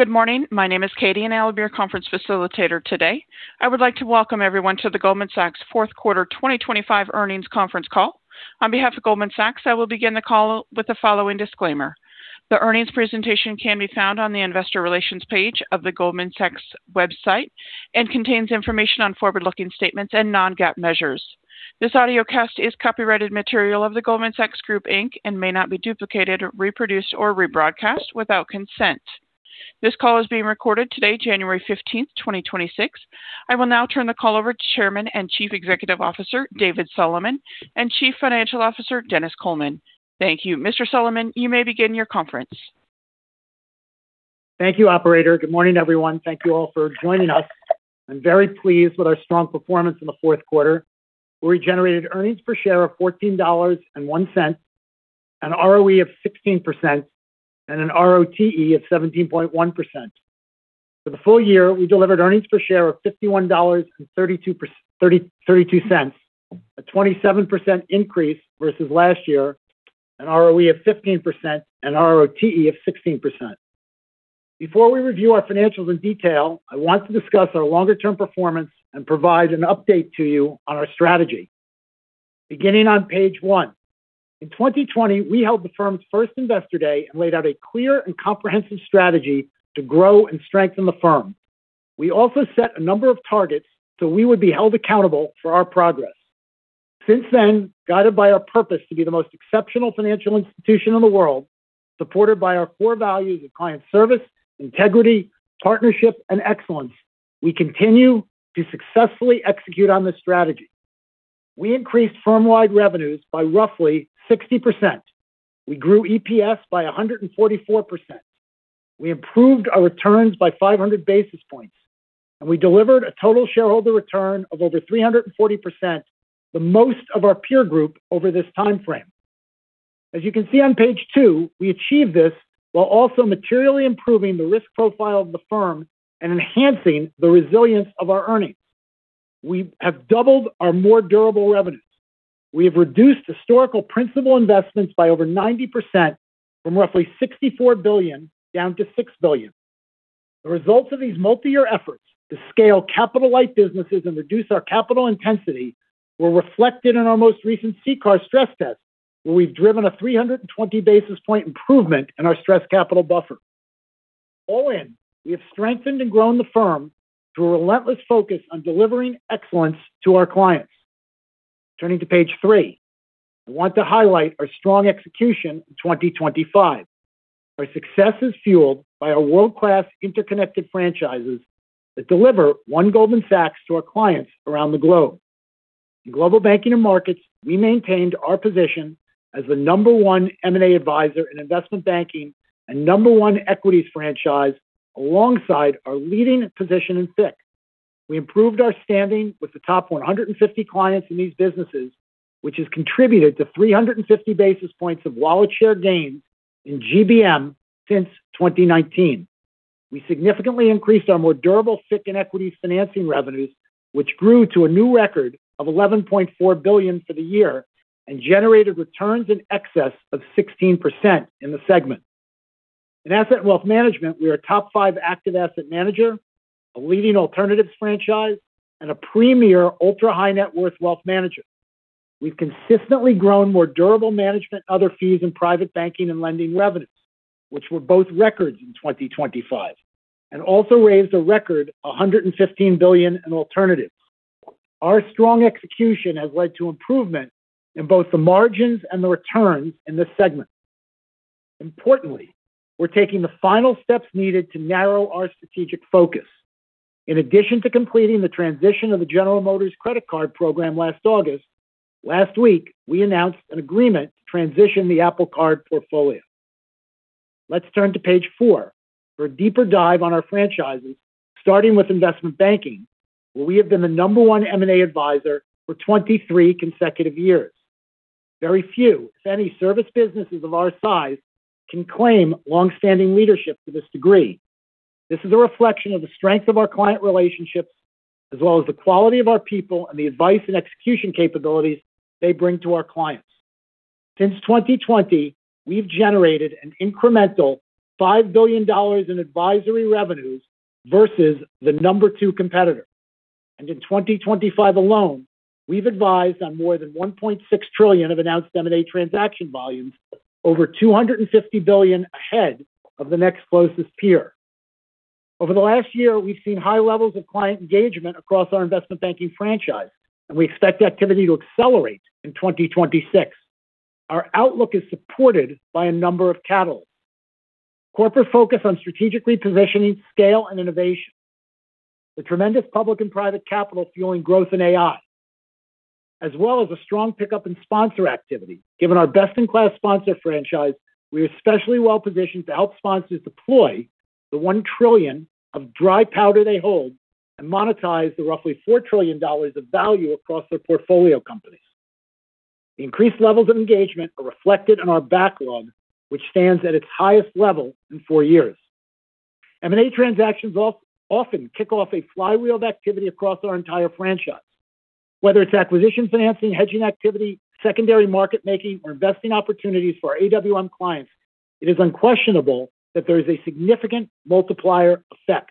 Good morning. My name is Katie and I'll be your conference facilitator today. I would like to welcome everyone to the Goldman Sachs Fourth Quarter 2025 Earnings Conference Call. On behalf of Goldman Sachs, I will begin the call with the following disclaimer. The earnings presentation can be found on the investor relations page of the Goldman Sachs website and contains information on forward-looking statements and non-GAAP measures. This audio cast is copyrighted material of the Goldman Sachs Group, Inc., and may not be duplicated, reproduced, or rebroadcast without consent. This call is being recorded today, January 15th, 2026. I will now turn the call over to Chairman and Chief Executive Officer David Solomon and Chief Financial Officer Denis Coleman. Thank you. Mr. Solomon, you may begin your conference. Thank you, Operator. Good morning, everyone. Thank you all for joining us. I'm very pleased with our strong performance in the fourth quarter. We generated earnings per share of $14.01, an ROE of 16%, and an ROTE of 17.1%. For the full year, we delivered earnings per share of $51.32, a 27% increase versus last year, an ROE of 15%, and an ROTE of 16%. Before we review our financials in detail, I want to discuss our longer-term performance and provide an update to you on our strategy. Beginning on page one, in 2020, we held the firm's first Investor Day and laid out a clear and comprehensive strategy to grow and strengthen the firm. We also set a number of targets so we would be held accountable for our progress. Since then, guided by our purpose to be the most exceptional financial institution in the world, supported by our core values of client service, integrity, partnership, and excellence, we continue to successfully execute on this strategy. We increased firm-wide revenues by roughly 60%. We grew EPS by 144%. We improved our returns by 500 basis points, and we delivered a total shareholder return of over 340%, the most of our peer group over this time frame. As you can see on page two, we achieved this while also materially improving the risk profile of the firm and enhancing the resilience of our earnings. We have doubled our more durable revenues. We have reduced historical principal investments by over 90% from roughly $64 billion down to $6 billion. The results of these multi-year efforts to scale capital-like businesses and reduce our capital intensity were reflected in our most recent CCAR stress test, where we've driven a 320 basis points improvement in our stress capital buffer. All in, we have strengthened and grown the firm through a relentless focus on delivering excellence to our clients. Turning to page three, I want to highlight our strong execution in 2025. Our success is fueled by our world-class interconnected franchises that deliver One Goldman Sachs to our clients around the globe. In Global Banking & Markets, we maintained our position as the number one M&A advisor in investment banking and number one equities franchise alongside our leading position in FICC. We improved our standing with the top 150 clients in these businesses, which has contributed to 350 basis points of wallet share gains in GBM since 2019. We significantly increased our more durable FICC and equities financing revenues, which grew to a new record of $11.4 billion for the year and generated returns in excess of 16% in the segment. At Asset & Wealth Management, we are a top five active asset manager, a leading alternatives franchise, and a premier ultra-high net worth wealth manager. We've consistently grown more durable management and other fees in Private Banking and Lending revenues, which were both records in 2025, and also raised a record $115 billion in alternatives. Our strong execution has led to improvement in both the margins and the returns in this segment. Importantly, we're taking the final steps needed to narrow our strategic focus. In addition to completing the transition of the General Motors credit card program last August, last week we announced an agreement to transition the Apple Card portfolio. Let's turn to page four for a deeper dive on our franchises, starting with Investment Banking, where we have been the number one M&A advisor for 23 consecutive years. Very few, if any, service businesses of our size can claim longstanding leadership to this degree. This is a reflection of the strength of our client relationships, as well as the quality of our people and the advice and execution capabilities they bring to our clients. Since 2020, we've generated an incremental $5 billion in advisory revenues versus the number two competitor. And in 2025 alone, we've advised on more than $1.6 trillion of announced M&A transaction volumes, over $250 billion ahead of the next closest peer. Over the last year, we've seen high levels of client engagement across our Investment Banking franchise, and we expect activity to accelerate in 2026. Our outlook is supported by a number of catalysts: corporate focus on strategic repositioning, scale, and innovation, the tremendous public and private capital fueling growth in AI, as well as a strong pickup in sponsor activity. Given our best-in-class sponsor franchise, we are especially well positioned to help sponsors deploy the $1 trillion of dry powder they hold and monetize the roughly $4 trillion of value across their portfolio companies. Increased levels of engagement are reflected in our backlog, which stands at its highest level in four years. M&A transactions often kick off a flywheel of activity across our entire franchise. Whether it's acquisition, financing, hedging activity, secondary market making, or investing opportunities for our AWM clients, it is unquestionable that there is a significant multiplier effect,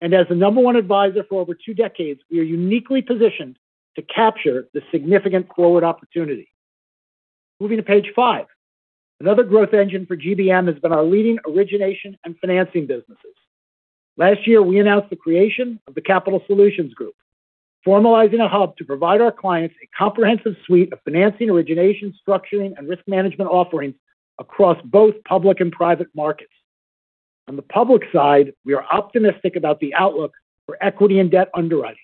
and as the number one advisor for over two decades, we are uniquely positioned to capture the significant forward opportunity. Moving to page five, another growth engine for GBM has been our leading origination and financing businesses. Last year, we announced the creation of the Capital Solutions Group, formalizing a hub to provide our clients a comprehensive suite of financing, origination, structuring, and risk management offerings across both public and private markets. On the public side, we are optimistic about the outlook for equity and debt underwriting,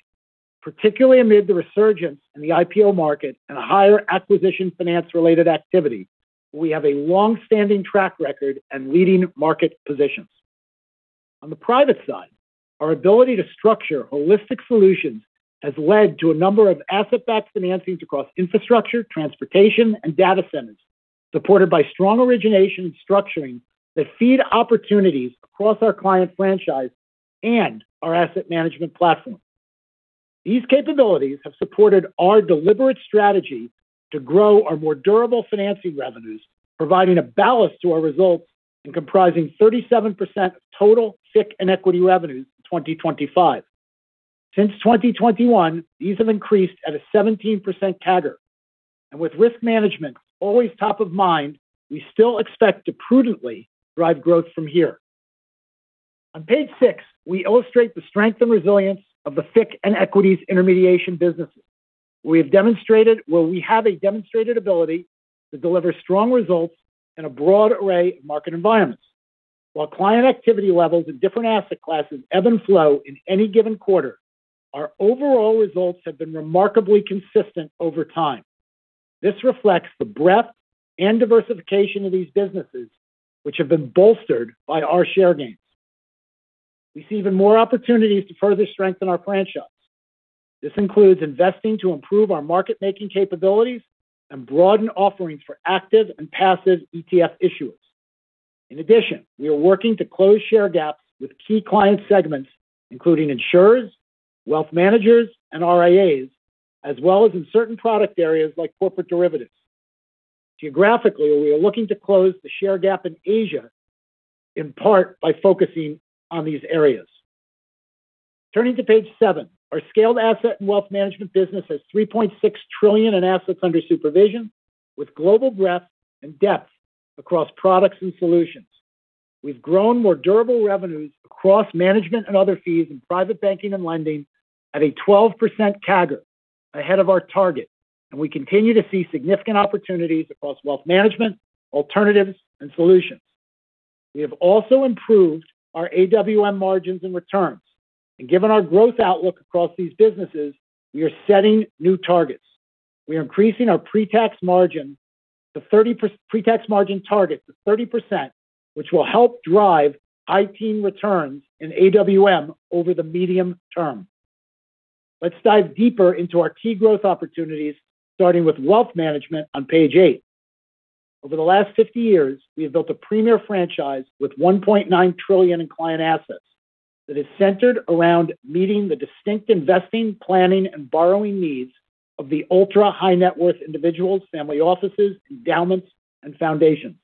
particularly amid the resurgence in the IPO market and a higher acquisition finance-related activity, where we have a longstanding track record and leading market positions. On the private side, our ability to structure holistic solutions has led to a number of asset-backed financings across infrastructure, transportation, and data centers, supported by strong origination and structuring that feed opportunities across our client franchise and our Asset Management platform. These capabilities have supported our deliberate strategy to grow our more durable financing revenues, providing a ballast to our results and comprising 37% of total FICC and equity revenues in 2025. Since 2021, these have increased at a 17% CAGR, and with risk management always top of mind, we still expect to prudently drive growth from here. On page six, we illustrate the strength and resilience of the FICC and equities intermediation businesses, where we have a demonstrated ability to deliver strong results in a broad array of market environments. While client activity levels in different asset classes ebb and flow in any given quarter, our overall results have been remarkably consistent over time. This reflects the breadth and diversification of these businesses, which have been bolstered by our share gains. We see even more opportunities to further strengthen our franchise. This includes investing to improve our market-making capabilities and broaden offerings for active and passive ETF issuers. In addition, we are working to close share gaps with key client segments, including insurers, wealth managers, and RIAs, as well as in certain product areas like corporate derivatives. Geographically, we are looking to close the share gap in Asia in part by focusing on these areas. Turning to page seven, our Asset & Wealth Management business has $3.6 trillion in assets under supervision, with global breadth and depth across products and solutions. We've grown more durable revenues across management and other fees in Private Banking and Lending at a 12% CAGR ahead of our target, and we continue to see significant opportunities across Wealth Management, alternatives, and solutions. We have also improved our AWM margins and returns. And given our growth outlook across these businesses, we are setting new targets. We are increasing our pre-tax margin to 30%, pre-tax margin target to 30%, which will help drive high-teens returns in AWM over the medium term. Let's dive deeper into our key growth opportunities, starting with Wealth Management on page eight. Over the last 50 years, we have built a premier franchise with $1.9 trillion in client assets that is centered around meeting the distinct investing, planning, and borrowing needs of the ultra-high net worth individuals, family offices, endowments, and foundations.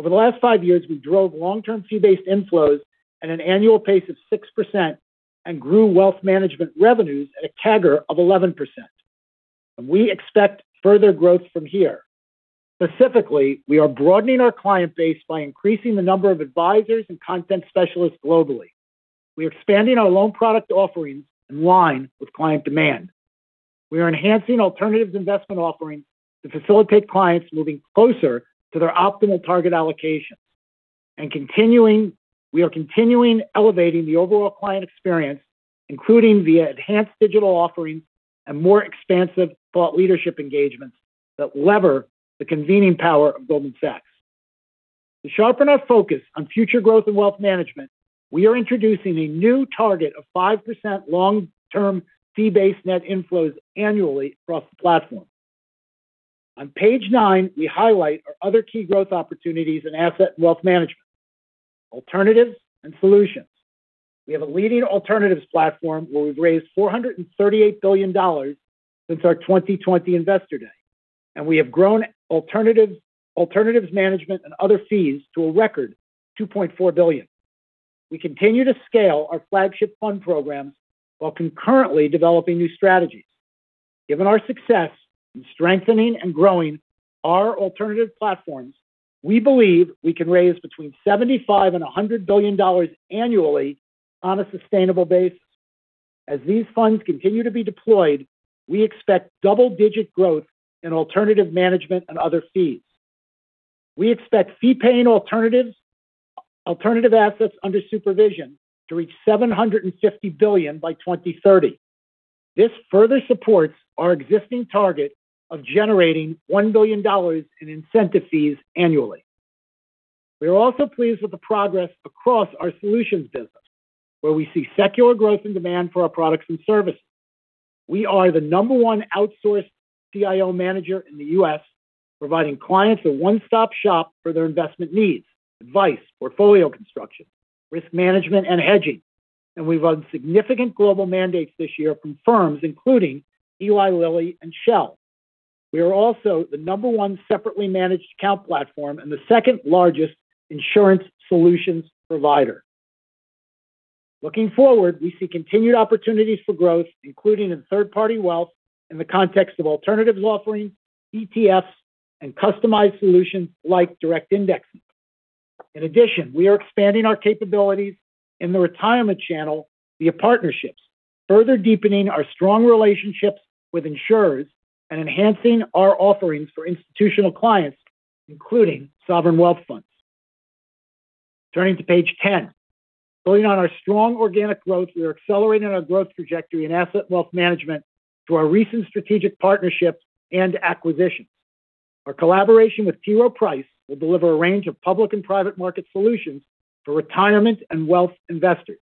Over the last five years, we drove long-term fee-based inflows at an annual pace of 6% and grew Wealth Management revenues at a CAGR of 11%. We expect further growth from here. Specifically, we are broadening our client base by increasing the number of advisors and content specialists globally. We are expanding our loan product offerings in line with client demand. We are enhancing alternatives investment offerings to facilitate clients moving closer to their optimal target allocations. And we are continuing elevating the overall client experience, including via enhanced digital offerings and more expansive thought leadership engagements that leverage the convening power of Goldman Sachs. To sharpen our focus on future growth and Wealth Management, we are introducing a new target of 5% long-term fee-based net inflows annually across the platform. On page nine, we highlight our other key growth opportunities in Asset & Wealth Management: alternatives and solutions. We have a leading alternatives platform where we've raised $438 billion since our 2020 Investor Day, and we have grown alternatives management and other fees to a record of $2.4 billion. We continue to scale our flagship fund programs while concurrently developing new strategies. Given our success in strengthening and growing our alternative platforms, we believe we can raise between $75-$100 billion annually on a sustainable basis. As these funds continue to be deployed, we expect double-digit growth in alternative management and other fees. We expect fee-paying alternative assets under supervision to reach $750 billion by 2030. This further supports our existing target of generating $1 billion in incentive fees annually. We are also pleased with the progress across our Solutions business, where we see secular growth in demand for our products and services. We are the number one outsourced OCIO manager in the U.S., providing clients a one-stop shop for their investment needs, advice, portfolio construction, risk management, and hedging, and we've won significant global mandates this year from firms including Eli Lilly and Shell. We are also the number one separately managed account platform and the second largest insurance solutions provider. Looking forward, we see continued opportunities for growth, including in third-party wealth in the context of alternatives offerings, ETFs, and customized solutions like direct indexing. In addition, we are expanding our capabilities in the retirement channel via partnerships, further deepening our strong relationships with insurers and enhancing our offerings for institutional clients, including sovereign wealth funds. Turning to page ten, building on our strong organic growth, we are accelerating our growth trajectory in Asset & Wealth Management through our recent strategic partnerships and acquisitions. Our collaboration with T. Rowe Price will deliver a range of public and private market solutions for retirement and wealth investors.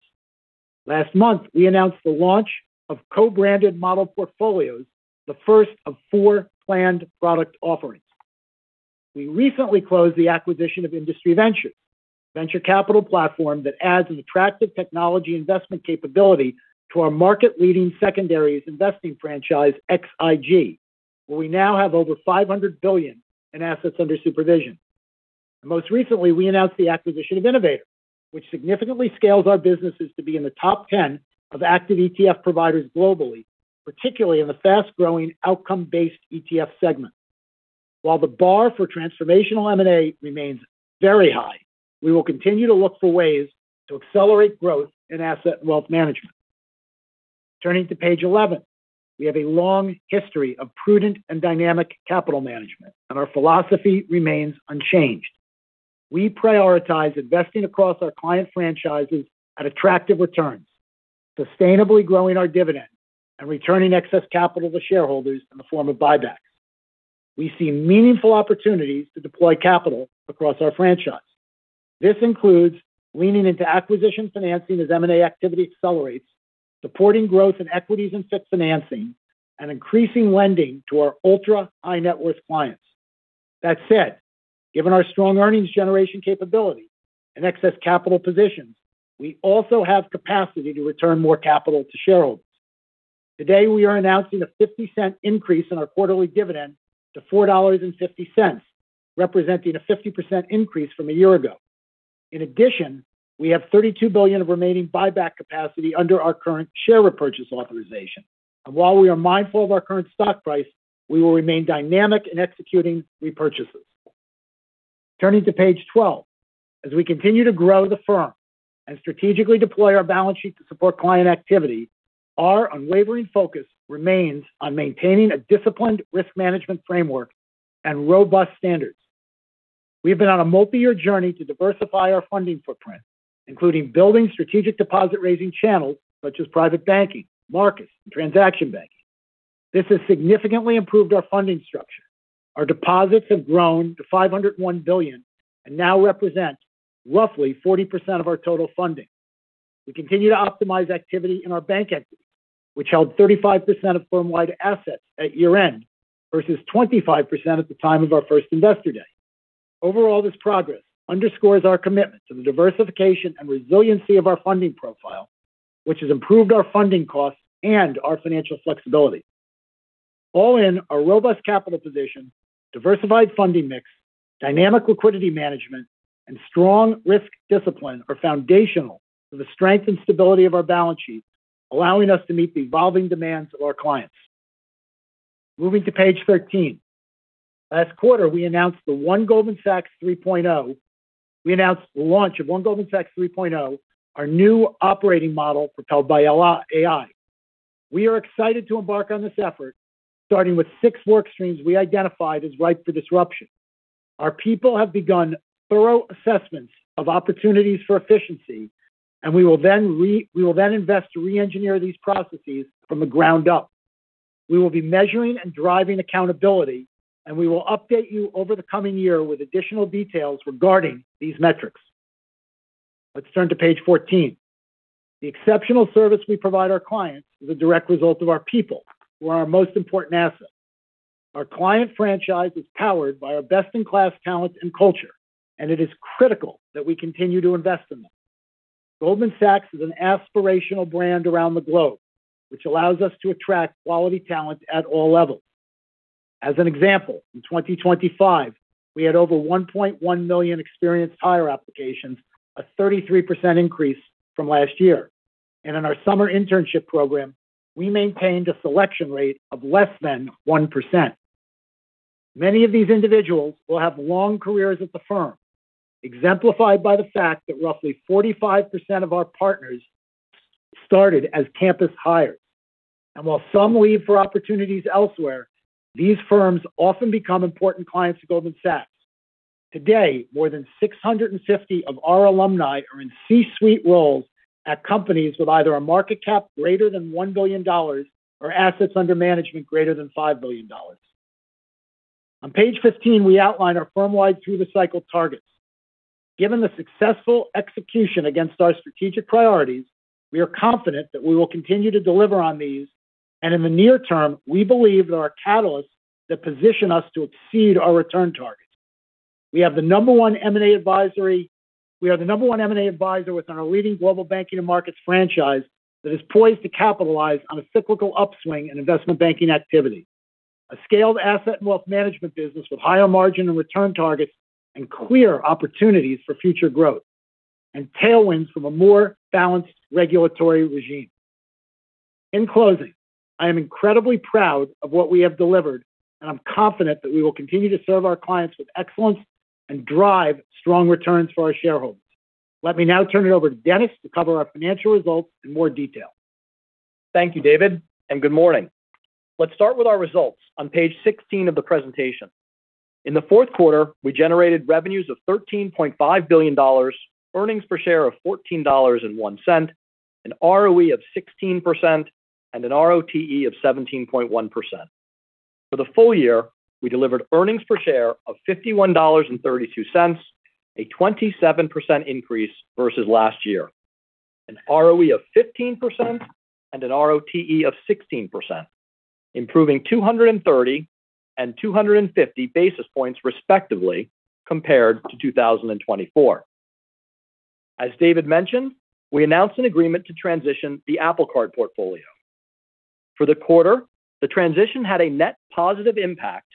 Last month, we announced the launch of co-branded model portfolios, the first of four planned product offerings. We recently closed the acquisition of Industry Ventures, a venture capital platform that adds an attractive technology investment capability to our market-leading secondary investing franchise, XIG, where we now have over $500 billion in assets under supervision. Most recently, we announced the acquisition of Innovator, which significantly scales our businesses to be in the top 10 of active ETF providers globally, particularly in the fast-growing outcome-based ETF segment. While the bar for transformational M&A remains very high, we will continue to look for ways to accelerate growth in Asset & Wealth Management. Turning to page 11, we have a long history of prudent and dynamic capital management, and our philosophy remains unchanged. We prioritize investing across our client franchises at attractive returns, sustainably growing our dividends, and returning excess capital to shareholders in the form of buybacks. We see meaningful opportunities to deploy capital across our franchise. This includes leaning into acquisition financing as M&A activity accelerates, supporting growth in equities and FICC financing, and increasing lending to our ultra-high net worth clients. That said, given our strong earnings generation capability and excess capital positions, we also have capacity to return more capital to shareholders. Today, we are announcing a $0.50 increase in our quarterly dividend to $4.50, representing a 50% increase from a year ago. In addition, we have $32 billion of remaining buyback capacity under our current share repurchase authorization. And while we are mindful of our current stock price, we will remain dynamic in executing repurchases. Turning to page 12, as we continue to grow the firm and strategically deploy our balance sheet to support client activity, our unwavering focus remains on maintaining a disciplined risk management framework and robust standards. We have been on a multi-year journey to diversify our funding footprint, including building strategic deposit-raising channels such as Private Banking, Marcus, and Transaction Banking. This has significantly improved our funding structure. Our deposits have grown to $501 billion and now represent roughly 40% of our total funding. We continue to optimize activity in our bank equity, which held 35% of firm-wide assets at year-end versus 25% at the time of our first Investor Day. Overall, this progress underscores our commitment to the diversification and resiliency of our funding profile, which has improved our funding costs and our financial flexibility. All in, our robust capital position, diversified funding mix, dynamic liquidity management, and strong risk discipline are foundational to the strength and stability of our balance sheet, allowing us to meet the evolving demands of our clients. Moving to page 13, last quarter, we announced the One Goldman Sachs 3.0. We announced the launch of One Goldman Sachs 3.0, our new operating model propelled by AI. We are excited to embark on this effort, starting with six work streams we identified as ripe for disruption. Our people have begun thorough assessments of opportunities for efficiency, and we will then invest to re-engineer these processes from the ground up. We will be measuring and driving accountability, and we will update you over the coming year with additional details regarding these metrics. Let's turn to page 14. The exceptional service we provide our clients is a direct result of our people, who are our most important asset. Our client franchise is powered by our best-in-class talent and culture, and it is critical that we continue to invest in them. Goldman Sachs is an aspirational brand around the globe, which allows us to attract quality talent at all levels. As an example, in 2025, we had over 1.1 million experienced hire applications, a 33% increase from last year. In our summer internship program, we maintained a selection rate of less than 1%. Many of these individuals will have long careers at the firm, exemplified by the fact that roughly 45% of our partners started as campus hires. While some leave for opportunities elsewhere, these firms often become important clients to Goldman Sachs. Today, more than 650 of our alumni are in C-suite roles at companies with either a market cap greater than $1 billion or assets under management greater than $5 billion. On page 15, we outline our firm-wide through-the-cycle targets. Given the successful execution against our strategic priorities, we are confident that we will continue to deliver on these, and in the near term, we believe there are catalysts that position us to exceed our return targets. We have the number one M&A advisory. We are the number one M&A advisor within our leading Global Banking & Markets franchise that is poised to capitalize on a cyclical upswing in Investment Banking activity. A scaled Asset & Wealth Management business with higher margin and return targets and clear opportunities for future growth and tailwinds from a more balanced regulatory regime. In closing, I am incredibly proud of what we have delivered, and I'm confident that we will continue to serve our clients with excellence and drive strong returns for our shareholders. Let me now turn it over to Denis to cover our financial results in more detail. Thank you, David, and good morning. Let's start with our results on page 16 of the presentation. In the fourth quarter, we generated revenues of $13.5 billion, earnings per share of $14.01, an ROE of 16%, and an ROTE of 17.1%. For the full year, we delivered earnings per share of $51.32, a 27% increase versus last year, an ROE of 15%, and an ROTE of 16%, improving 230 and 250 basis points respectively compared to 2024. As David mentioned, we announced an agreement to transition the Apple Card portfolio. For the quarter, the transition had a net positive impact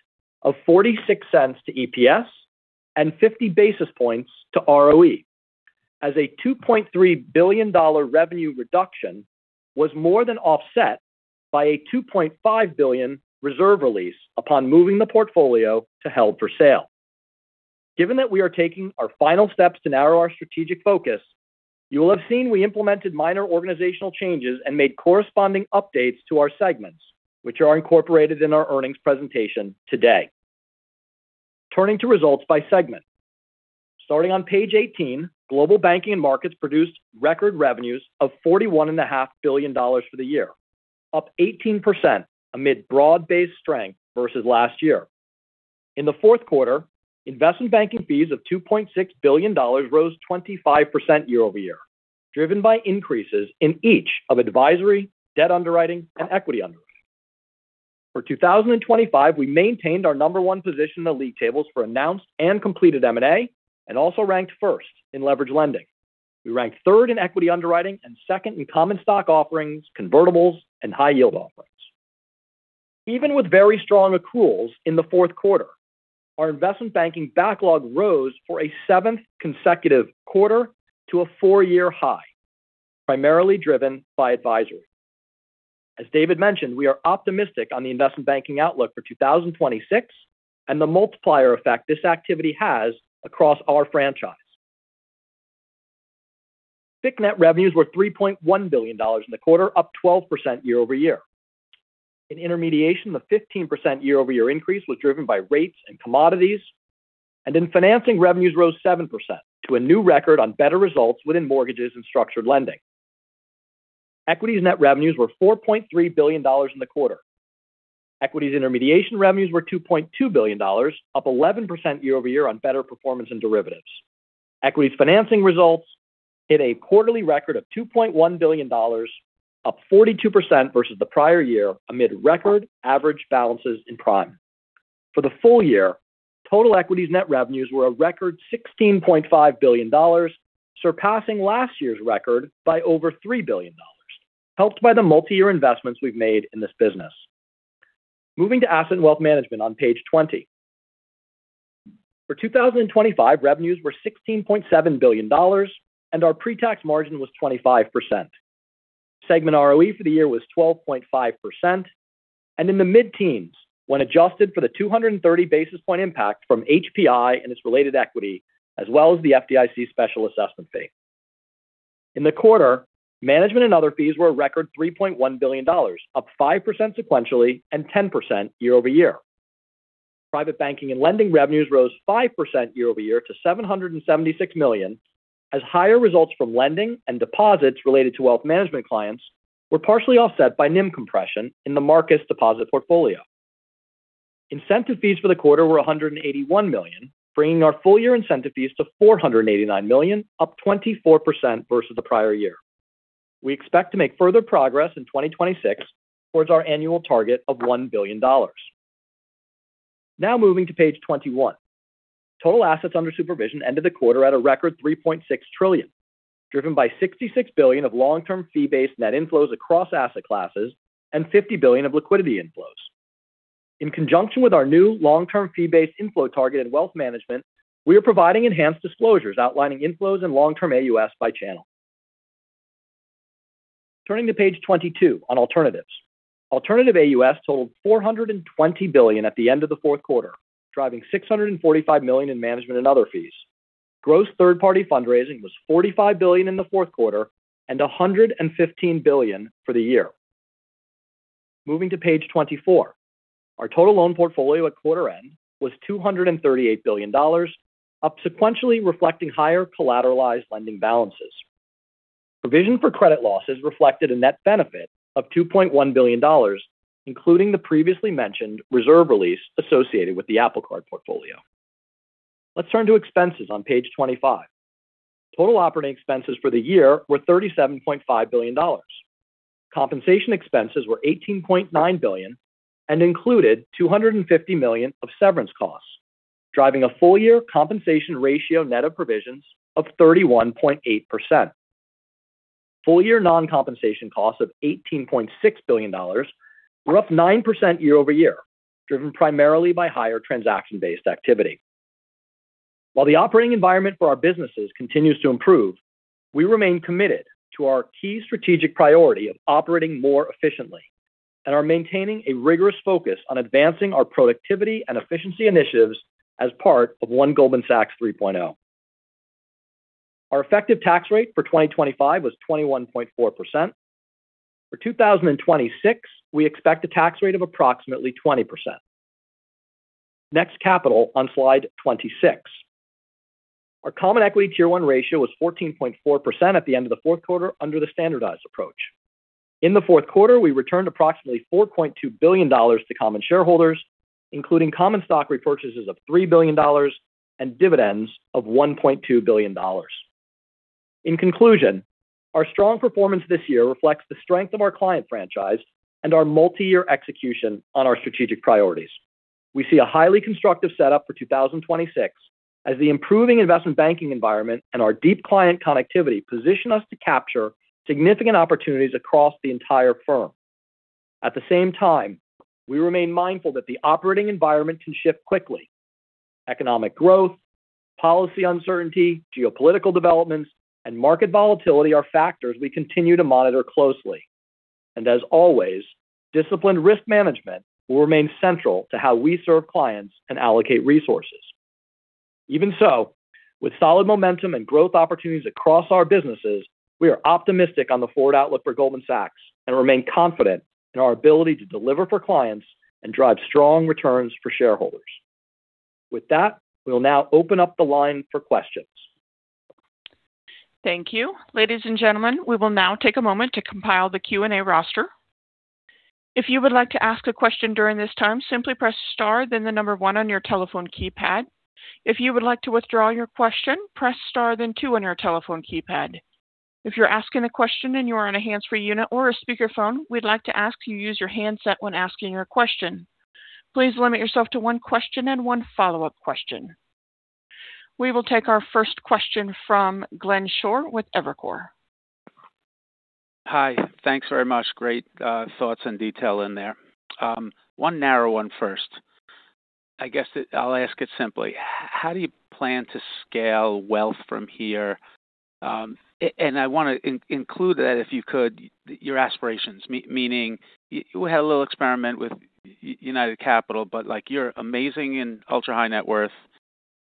of $0.46 to EPS and 50 basis points to ROE, as a $2.3 billion revenue reduction was more than offset by a $2.5 billion reserve release upon moving the portfolio to held for sale. Given that we are taking our final steps to narrow our strategic focus, you will have seen we implemented minor organizational changes and made corresponding updates to our segments, which are incorporated in our earnings presentation today. Turning to results by segment, starting on page 18, Global Banking & Markets produced record revenues of $41.5 billion for the year, up 18% amid broad-based strength versus last year. In the fourth quarter, investment banking fees of $2.6 billion rose 25% year-over-year, driven by increases in each of advisory, debt underwriting, and equity underwriting. For 2025, we maintained our number one position in the league tables for announced and completed M&A and also ranked first in leveraged lending. We ranked third in equity underwriting and second in common stock offerings, convertibles, and high-yield offerings. Even with very strong accruals in the fourth quarter, our Investment Banking backlog rose for a seventh consecutive quarter to a four-year high, primarily driven by advisory. As David mentioned, we are optimistic on the Investment Banking outlook for 2026 and the multiplier effect this activity has across our franchise. FICC net revenues were $3.1 billion in the quarter, up 12% year-over-year. In intermediation, the 15% year-over-year increase was driven by rates and commodities, and in financing, revenues rose 7% to a new record on better results within mortgages and structured lending. Equities net revenues were $4.3 billion in the quarter. Equities intermediation revenues were $2.2 billion, up 11% year-over-year on better performance and derivatives. Equities financing results hit a quarterly record of $2.1 billion, up 42% versus the prior year amid record average balances in prime. For the full year, total equities net revenues were a record $16.5 billion, surpassing last year's record by over $3 billion, helped by the multi-year investments we've made in this business. Moving to Asset & Wealth Management on page 20. For 2025, revenues were $16.7 billion, and our pre-tax margin was 25%. Segment ROE for the year was 12.5%, and in the mid-teens, when adjusted for the 230 basis point impact from HPI and its related equity, as well as the FDIC special assessment fee. In the quarter, management and other fees were a record $3.1 billion, up 5% sequentially and 10% year-over-year. Private Banking and Lending revenues rose 5% year-over-year to $776 million, as higher results from lending and deposits related to Wealth Management clients were partially offset by NIM compression in the Marcus deposit portfolio. Incentive fees for the quarter were $181 million, bringing our full-year incentive fees to $489 million, up 24% versus the prior year. We expect to make further progress in 2026 towards our annual target of $1 billion. Now moving to page 21, total assets under supervision ended the quarter at a record $3.6 trillion, driven by $66 billion of long-term fee-based net inflows across asset classes and $50 billion of liquidity inflows. In conjunction with our new long-term fee-based inflow target in Wealth Management, we are providing enhanced disclosures outlining inflows and long-term AUS by channel. Turning to page 22 on Alternatives, alternative AUS totaled $420 billion at the end of the fourth quarter, driving $645 million in management and other fees. Gross third-party fundraising was $45 billion in the fourth quarter and $115 billion for the year. Moving to page 24, our total loan portfolio at quarter end was $238 billion, up sequentially reflecting higher collateralized lending balances. Provision for credit losses reflected a net benefit of $2.1 billion, including the previously mentioned reserve release associated with the Apple Card portfolio. Let's turn to expenses on page 25. Total operating expenses for the year were $37.5 billion. Compensation expenses were $18.9 billion and included $250 million of severance costs, driving a full-year compensation ratio net of provisions of 31.8%. Full-year non-compensation costs of $18.6 billion were up 9% year-over-year, driven primarily by higher transaction-based activity. While the operating environment for our businesses continues to improve, we remain committed to our key strategic priority of operating more efficiently and are maintaining a rigorous focus on advancing our productivity and efficiency initiatives as part of One Goldman Sachs 3.0. Our effective tax rate for 2025 was 21.4%. For 2026, we expect a tax rate of approximately 20%. Next capital on slide 26. Our common equity tier 1 ratio was 14.4% at the end of the fourth quarter under the standardized approach. In the fourth quarter, we returned approximately $4.2 billion to common shareholders, including common stock repurchases of $3 billion and dividends of $1.2 billion. In conclusion, our strong performance this year reflects the strength of our client franchise and our multi-year execution on our strategic priorities. We see a highly constructive setup for 2026 as the improving Investment Banking environment and our deep client connectivity position us to capture significant opportunities across the entire firm. At the same time, we remain mindful that the operating environment can shift quickly. Economic growth, policy uncertainty, geopolitical developments, and market volatility are factors we continue to monitor closely. And as always, disciplined risk management will remain central to how we serve clients and allocate resources. Even so, with solid momentum and growth opportunities across our businesses, we are optimistic on the forward outlook for Goldman Sachs and remain confident in our ability to deliver for clients and drive strong returns for shareholders. With that, we will now open up the line for questions. Thank you. Ladies and gentlemen, we will now take a moment to compile the Q&A roster. If you would like to ask a question during this time, simply press star, then the number one on your telephone keypad. If you would like to withdraw your question, press star, then two on your telephone keypad. If you're asking a question and you are on a hands-free unit or a speakerphone, we'd like to ask you use your handset when asking your question. Please limit yourself to one question and one follow-up question. We will take our first question from Glenn Schorr with Evercore. Hi, thanks very much. Great thoughts and detail in there. One narrow one first. I guess I'll ask it simply. How do you plan to scale wealth from here? And I want to include that if you could, your aspirations, meaning we had a little experiment with United Capital, but you're amazing in ultra-high net worth,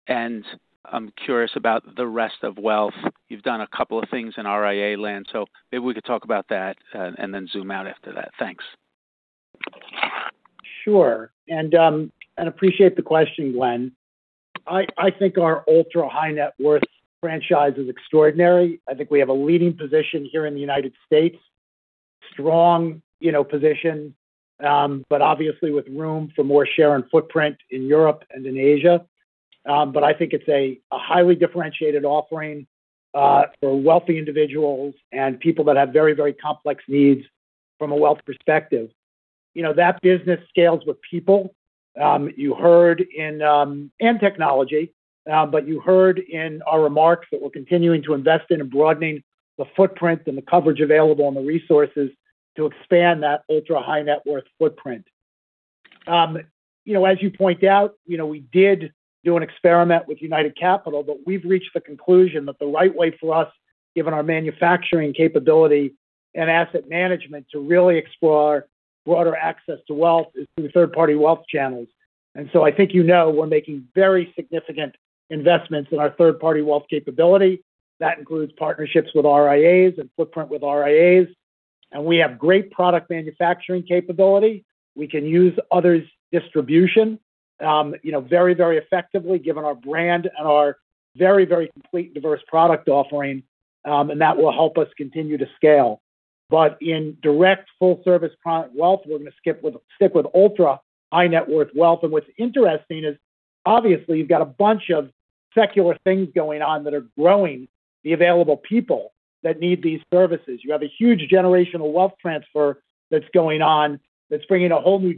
and I'm curious about the rest of wealth. You've done a couple of things in RIA land, so maybe we could talk about that and then zoom out after that. Thanks. Sure. And I appreciate the question, Glenn. I think our ultra-high net worth franchise is extraordinary. I think we have a leading position here in the United States, strong position, but obviously with room for more share and footprint in Europe and in Asia. But I think it's a highly differentiated offering for wealthy individuals and people that have very, very complex needs from a wealth perspective. That business scales with people. You heard in technology, but you heard in our remarks that we're continuing to invest in and broadening the footprint and the coverage available and the resources to expand that ultra-high net worth footprint. As you point out, we did do an experiment with United Capital, but we've reached the conclusion that the right way for us, given our manufacturing capability and Asset Management, to really explore broader access to wealth is through third-party wealth channels. And so I think you know we're making very significant investments in our third-party wealth capability. That includes partnerships with RIAs and footprint with RIAs. And we have great product manufacturing capability. We can use others' distribution very, very effectively, given our brand and our very, very complete and diverse product offering, and that will help us continue to scale. But in direct full-service product wealth, we're going to stick with ultra-high net worth wealth. And what's interesting is, obviously, you've got a bunch of secular things going on that are growing the available people that need these services. You have a huge generational wealth transfer that's going on that's bringing a whole new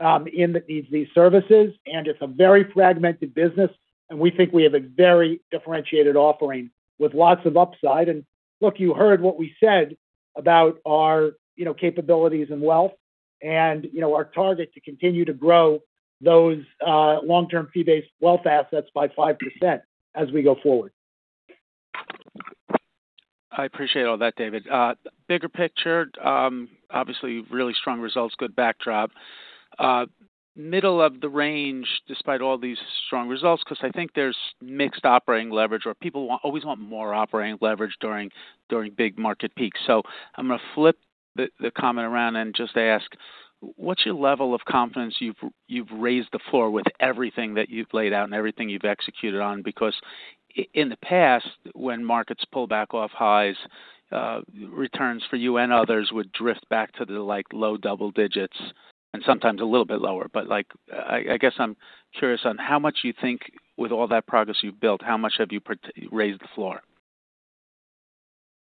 generation in that needs these services, and it's a very fragmented business, and we think we have a very differentiated offering with lots of upside. Look, you heard what we said about our capabilities and wealth and our target to continue to grow those long-term fee-based wealth assets by 5% as we go forward. I appreciate all that, David. Bigger picture, obviously, really strong results, good backdrop. Middle of the range, despite all these strong results, because I think there's mixed operating leverage or people always want more operating leverage during big market peaks. So I'm going to flip the comment around and just ask, what's your level of confidence you've raised the floor with everything that you've laid out and everything you've executed on? Because in the past, when markets pull back off highs, returns for you and others would drift back to the low double digits and sometimes a little bit lower. But I guess I'm curious on how much you think with all that progress you've built, how much have you raised the floor?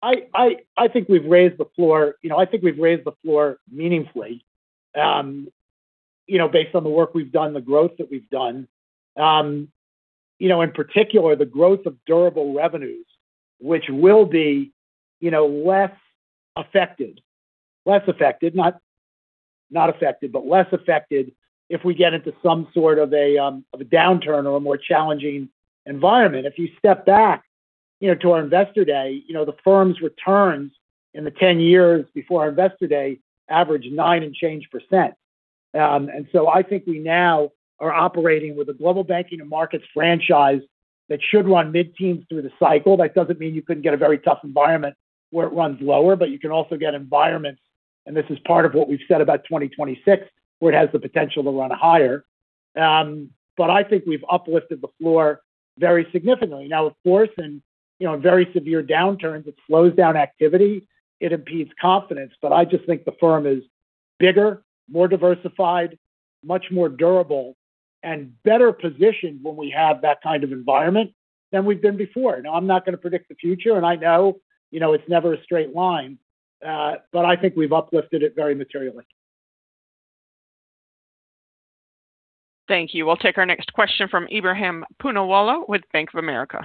I think we've raised the floor. I think we've raised the floor meaningfully based on the work we've done, the growth that we've done. In particular, the growth of durable revenues, which will be less affected, not affected, but less affected if we get into some sort of a downturn or a more challenging environment. If you step back to our Investor Day the firm's returns in the 10 years before our Investor Day averaged 9 and change percent. And so I think we now are operating with a Global Banking & Markets franchise that should run mid-teens through the cycle. That doesn't mean you couldn't get a very tough environment where it runs lower, but you can also get environments, and this is part of what we've said about 2026, where it has the potential to run higher. But I think we've uplifted the floor very significantly. Now, of course, in very severe downturns, it slows down activity. It impedes confidence, but I just think the firm is bigger, more diversified, much more durable, and better positioned when we have that kind of environment than we've been before. Now, I'm not going to predict the future, and I know it's never a straight line, but I think we've uplifted it very materially. Thank you. We'll take our next question from Ebrahim Poonawala with Bank of America.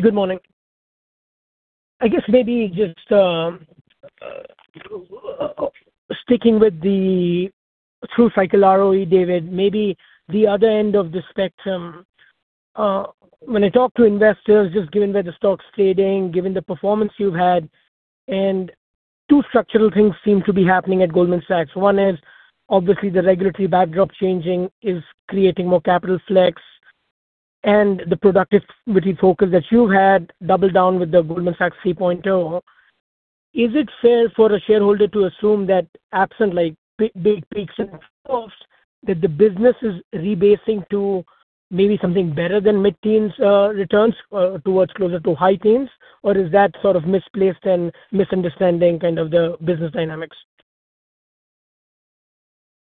Good morning. I guess maybe just sticking with the full-cycle ROE, David, maybe the other end of the spectrum, when I talk to investors, just given where the stock's trading, given the performance you've had, and two structural things seem to be happening at Goldman Sachs. One is, obviously, the regulatory backdrop changing is creating more capital flex, and the productivity focus that you've had doubled down with the Goldman Sachs 3.0. Is it fair for a shareholder to assume that absent big peaks and falls, that the business is rebasing to maybe something better than mid-teens returns towards closer to high teens, or is that sort of misplaced and misunderstanding kind of the business dynamics?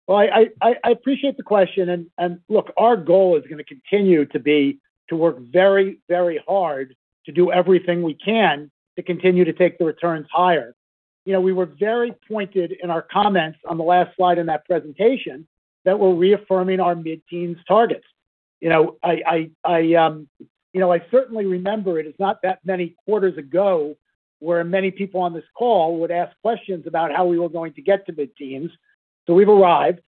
Well, I appreciate the question. And look, our goal is going to continue to be to work very, very hard to do everything we can to continue to take the returns higher. We were very pointed in our comments on the last slide in that presentation that we're reaffirming our mid-teens targets. I certainly remember it is not that many quarters ago where many people on this call would ask questions about how we were going to get to mid-teens. So we've arrived.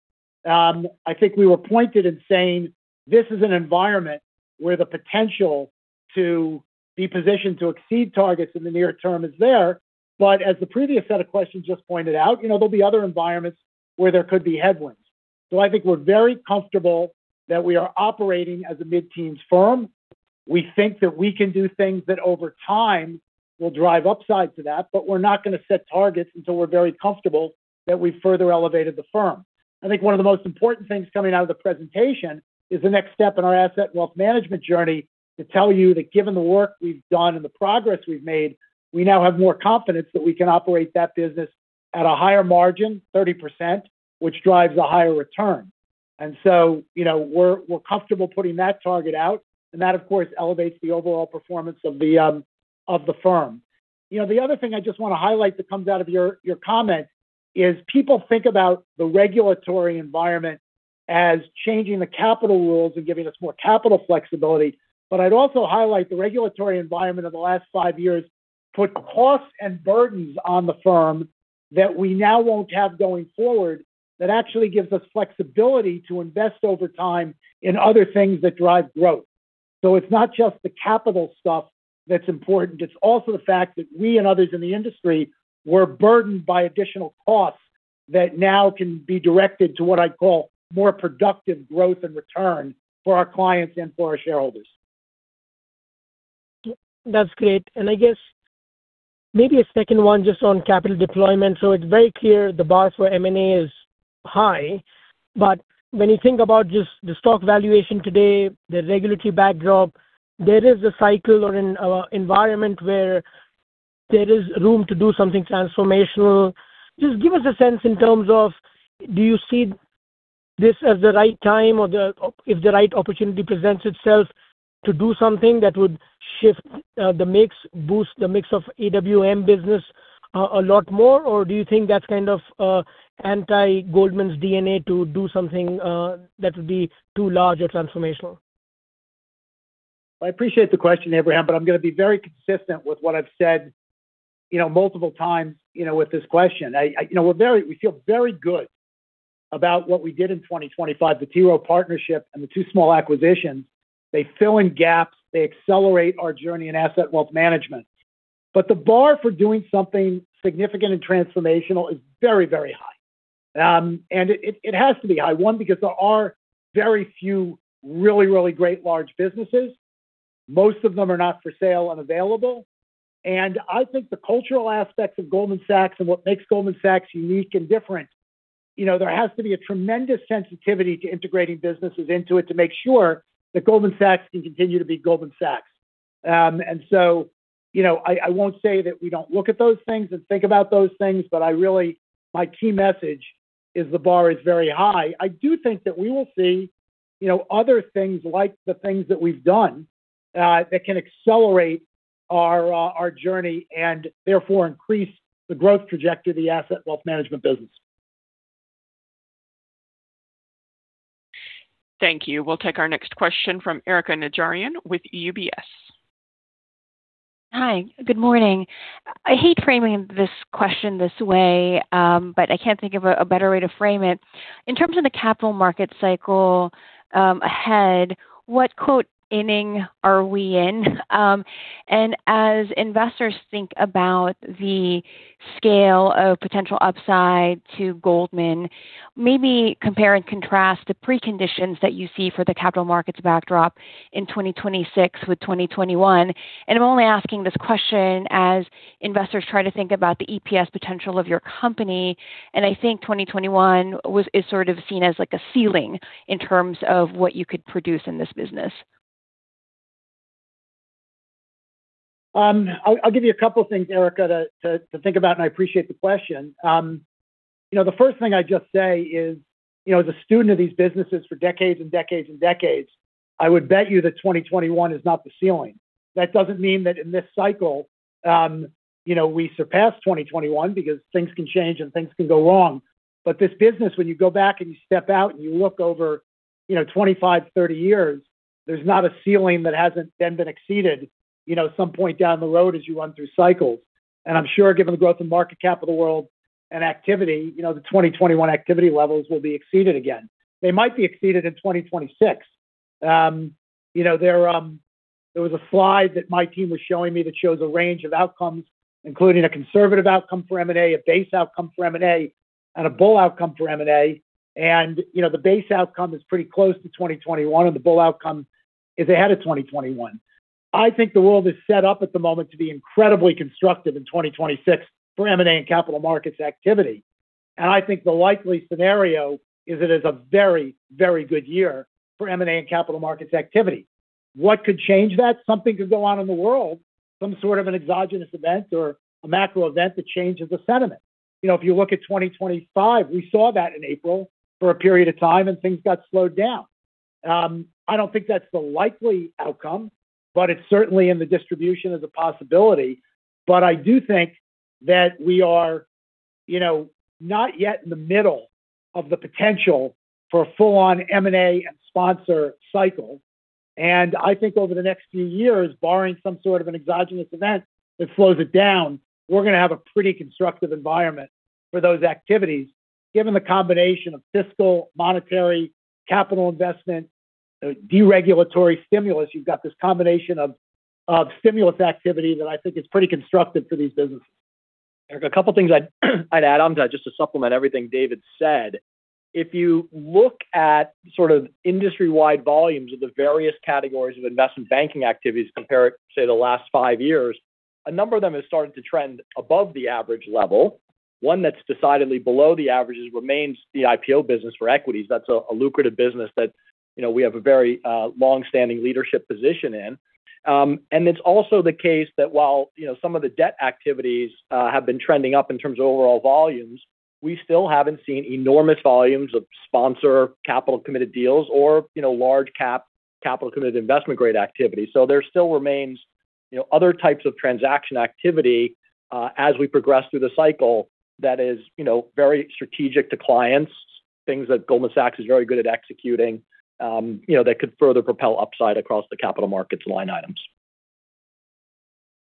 I think we were pointed in saying this is an environment where the potential to be positioned to exceed targets in the near term is there. But as the previous set of questions just pointed out, there'll be other environments where there could be headwinds. So I think we're very comfortable that we are operating as a mid-teens firm. We think that we can do things that over time will drive upside to that, but we're not going to set targets until we're very comfortable that we've further elevated the firm. I think one of the most important things coming out of the presentation is the next step in Asset & Wealth Management journey to tell you that given the work we've done and the progress we've made, we now have more confidence that we can operate that business at a higher margin, 30%, which drives a higher return. And so we're comfortable putting that target out, and that, of course, elevates the overall performance of the firm. The other thing I just want to highlight that comes out of your comment is people think about the regulatory environment as changing the capital rules and giving us more capital flexibility. But I'd also highlight the regulatory environment of the last five years put costs and burdens on the firm that we now won't have going forward that actually gives us flexibility to invest over time in other things that drive growth. So it's not just the capital stuff that's important. It's also the fact that we and others in the industry were burdened by additional costs that now can be directed to what I'd call more productive growth and return for our clients and for our shareholders. That's great. And I guess maybe a second one just on capital deployment. So it's very clear the bar for M&A is high, but when you think about just the stock valuation today, the regulatory backdrop, there is a cycle or an environment where there is room to do something transformational. Just give us a sense in terms of do you see this as the right time or if the right opportunity presents itself to do something that would shift the mix of AWM business a lot more, or do you think that's kind of anti-Goldman's DNA to do something that would be too large or transformational? I appreciate the question, Ebrahim, but I'm going to be very consistent with what I've said multiple times with this question. We feel very good about what we did in 2025, the T. Rowe Price partnership and the two small acquisitions. They fill in gaps. They accelerate our journey in Asset & Wealth Management. but the bar for doing something significant and transformational is very, very high. And it has to be high, one, because there are very few really, really great large businesses. Most of them are not for sale and available. And I think the cultural aspects of Goldman Sachs and what makes Goldman Sachs unique and different, there has to be a tremendous sensitivity to integrating businesses into it to make sure that Goldman Sachs can continue to be Goldman Sachs. And so I won't say that we don't look at those things and think about those things, but my key message is the bar is very high. I do think that we will see other things like the things that we've done that can accelerate our journey and therefore increase the growth trajectory of Asset & Wealth Management business. Thank you. We'll take our next question from Erika Najarian with UBS. Hi. Good morning. I hate framing this question this way, but I can't think of a better way to frame it. In terms of the capital market cycle ahead, what 'inning' are we in? As investors think about the scale of potential upside to Goldman, maybe compare and contrast the preconditions that you see for the capital markets backdrop in 2026 with 2021. I'm only asking this question as investors try to think about the EPS potential of your company. I think 2021 is sort of seen as a ceiling in terms of what you could produce in this business. I'll give you a couple of things, Erika, to think about, and I appreciate the question. The first thing I'd just say is, as a student of these businesses for decades and decades and decades, I would bet you that 2021 is not the ceiling. That doesn't mean that in this cycle we surpassed 2021 because things can change and things can go wrong. But this business, when you go back and you step out and you look over 25, 30 years, there's not a ceiling that hasn't then been exceeded at some point down the road as you run through cycles. And I'm sure, given the growth of market capital world and activity, the 2021 activity levels will be exceeded again. They might be exceeded in 2026. There was a slide that my team was showing me that shows a range of outcomes, including a conservative outcome for M&A, a base outcome for M&A, and a bull outcome for M&A. And the base outcome is pretty close to 2021, and the bull outcome is ahead of 2021. I think the world is set up at the moment to be incredibly constructive in 2026 for M&A and capital markets activity. And I think the likely scenario is it is a very, very good year for M&A and capital markets activity. What could change that? Something could go on in the world, some sort of an exogenous event or a macro event that changes the sentiment. If you look at 2025, we saw that in April for a period of time, and things got slowed down. I don't think that's the likely outcome, but it's certainly in the distribution as a possibility. But I do think that we are not yet in the middle of the potential for a full-on M&A and sponsor cycle. And I think over the next few years, barring some sort of an exogenous event that slows it down, we're going to have a pretty constructive environment for those activities. Given the combination of fiscal, monetary, capital investment, deregulatory stimulus, you've got this combination of stimulus activity that I think is pretty constructive for these businesses. Erika, a couple of things I'd add on to just to supplement everything David said. If you look at sort of industry-wide volumes of the various categories of investment banking activities compared, say, to the last five years, a number of them have started to trend above the average level. One that's decidedly below the average remains the IPO business for equities. That's a lucrative business that we have a very long-standing leadership position in. And it's also the case that while some of the debt activities have been trending up in terms of overall volumes, we still haven't seen enormous volumes of sponsor capital-committed deals or large-cap capital-committed investment-grade activity. So there still remains other types of transaction activity as we progress through the cycle that is very strategic to clients, things that Goldman Sachs is very good at executing that could further propel upside across the capital markets line items.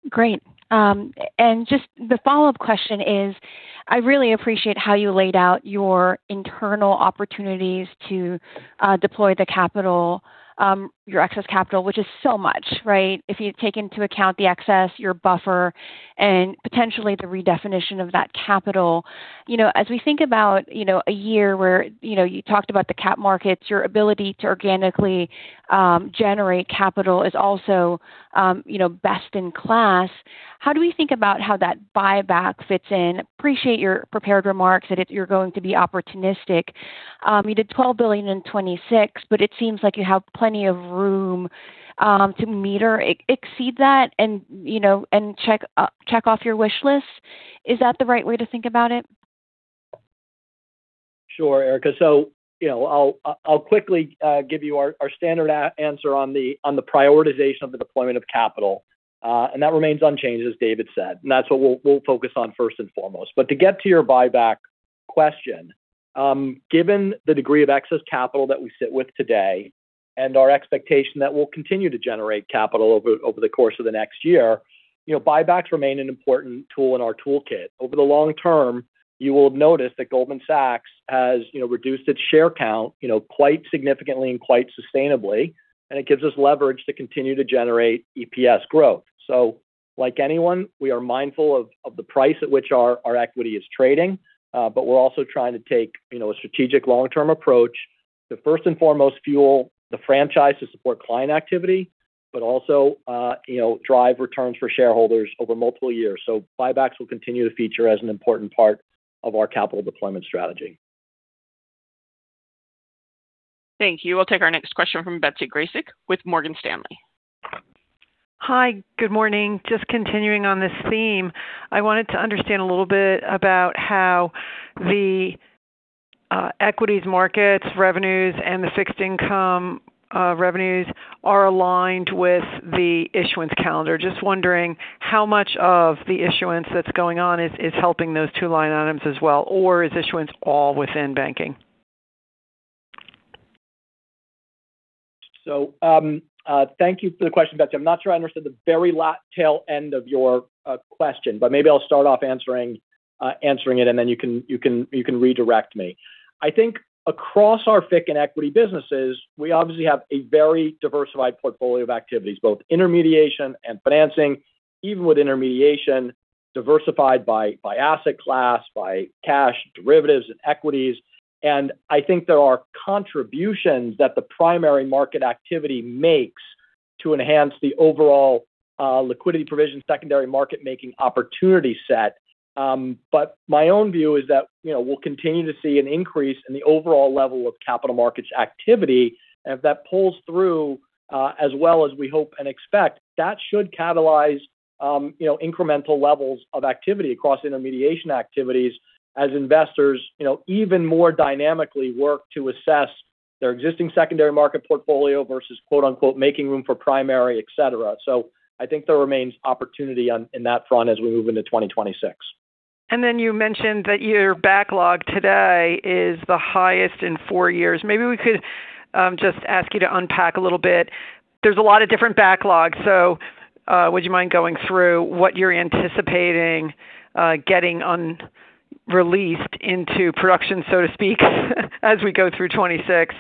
Great. And just the follow-up question is, I really appreciate how you laid out your internal opportunities to deploy the capital, your excess capital, which is so much, right? If you take into account the excess, your buffer, and potentially the redefinition of that capital. As we think about a year where you talked about the cap markets, your ability to organically generate capital is also best in class. How do we think about how that buyback fits in? Appreciate your prepared remarks that you're going to be opportunistic. You did $12 billion in 2026, but it seems like you have plenty of room to materially exceed that and check off your wish list. Is that the right way to think about it? Sure, Erika. So I'll quickly give you our standard answer on the prioritization of the deployment of capital. And that remains unchanged, as David said. And that's what we'll focus on first and foremost. But to get to your buyback question, given the degree of excess capital that we sit with today and our expectation that we'll continue to generate capital over the course of the next year, buybacks remain an important tool in our toolkit. Over the long term, you will have noticed that Goldman Sachs has reduced its share count quite significantly and quite sustainably, and it gives us leverage to continue to generate EPS growth. So like anyone, we are mindful of the price at which our equity is trading, but we're also trying to take a strategic long-term approach to first and foremost fuel the franchise to support client activity, but also drive returns for shareholders over multiple years. So buybacks will continue to feature as an important part of our capital deployment strategy. Thank you. We'll take our next question from Betsy Graseck with Morgan Stanley. Hi. Good morning. Just continuing on this theme, I wanted to understand a little bit about how the equities markets revenues and the fixed income revenues are aligned with the issuance calendar. Just wondering how much of the issuance that's going on is helping those two line items as well, or is issuance all within banking? So thank you for the question, Betsy. I'm not sure I understood the very last tail end of your question, but maybe I'll start off answering it, and then you can redirect me. I think across our fixed and equity businesses, we obviously have a very diversified portfolio of activities, both intermediation and financing, even with intermediation diversified by asset class, by cash, derivatives, and equities. And I think there are contributions that the primary market activity makes to enhance the overall liquidity provision, secondary market-making opportunity set, but my own view is that we'll continue to see an increase in the overall level of capital markets activity, and if that pulls through as well as we hope and expect, that should catalyze incremental levels of activity across intermediation activities as investors even more dynamically work to assess their existing secondary market portfolio versus "making room for primary," etc. I think there remains opportunity on that front as we move into 2026. And then you mentioned that your backlog today is the highest in four years. Maybe we could just ask you to unpack a little bit. There's a lot of different backlog. So would you mind going through what you're anticipating getting released into production, so to speak, as we go through 2026?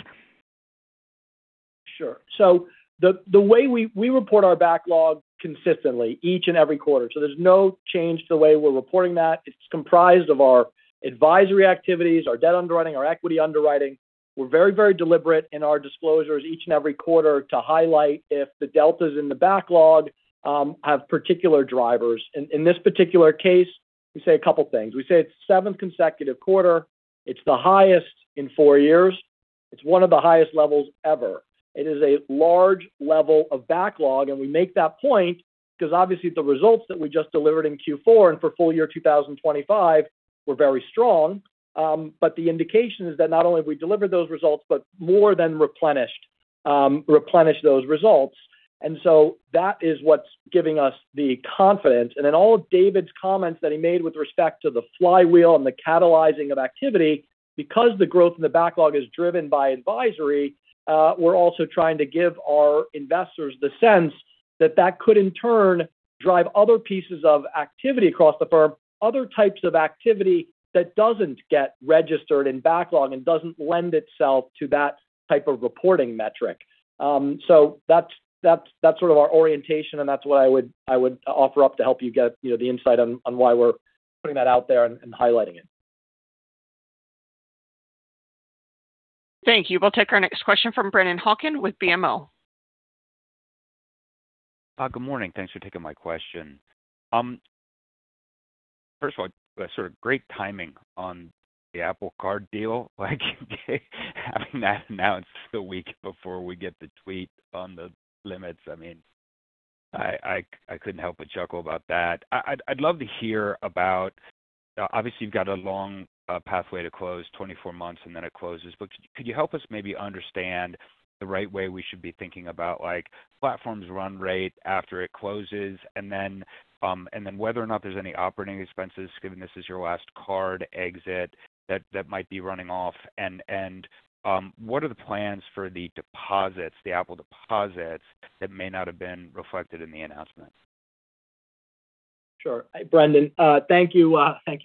Sure. So the way we report our backlog consistently, each and every quarter. So there's no change to the way we're reporting that. It's comprised of our advisory activities, our debt underwriting, our equity underwriting. We're very, very deliberate in our disclosures each and every quarter to highlight if the deltas in the backlog have particular drivers. In this particular case, we say a couple of things. We say it's seventh consecutive quarter. It's the highest in four years. It's one of the highest levels ever. It is a large level of backlog. And we make that point because, obviously, the results that we just delivered in Q4 and for full year 2025 were very strong. But the indication is that not only have we delivered those results, but more than replenished those results. And so that is what's giving us the confidence. And in all of David's comments that he made with respect to the flywheel and the catalyzing of activity, because the growth in the backlog is driven by advisory, we're also trying to give our investors the sense that that could, in turn, drive other pieces of activity across the firm, other types of activity that doesn't get registered in backlog and doesn't lend itself to that type of reporting metric. So that's sort of our orientation, and that's what I would offer up to help you get the insight on why we're putting that out there and highlighting it. Thank you. We'll take our next question from Brennan Hawken with BMO. Good morning. Thanks for taking my question. First of all, sort of great timing on the Apple Card deal. Having that announced the week before we get the tweet on the limits, I mean, I couldn't help but chuckle about that. I'd love to hear about, obviously, you've got a long pathway to close, 24 months, and then it closes. But could you help us maybe understand the right way we should be thinking about Platform's run rate after it closes, and then whether or not there's any operating expenses, given this is your last card exit that might be running off? And what are the plans for the deposits, the Apple deposits that may not have been reflected in the announcement? Sure. Brennan, thank you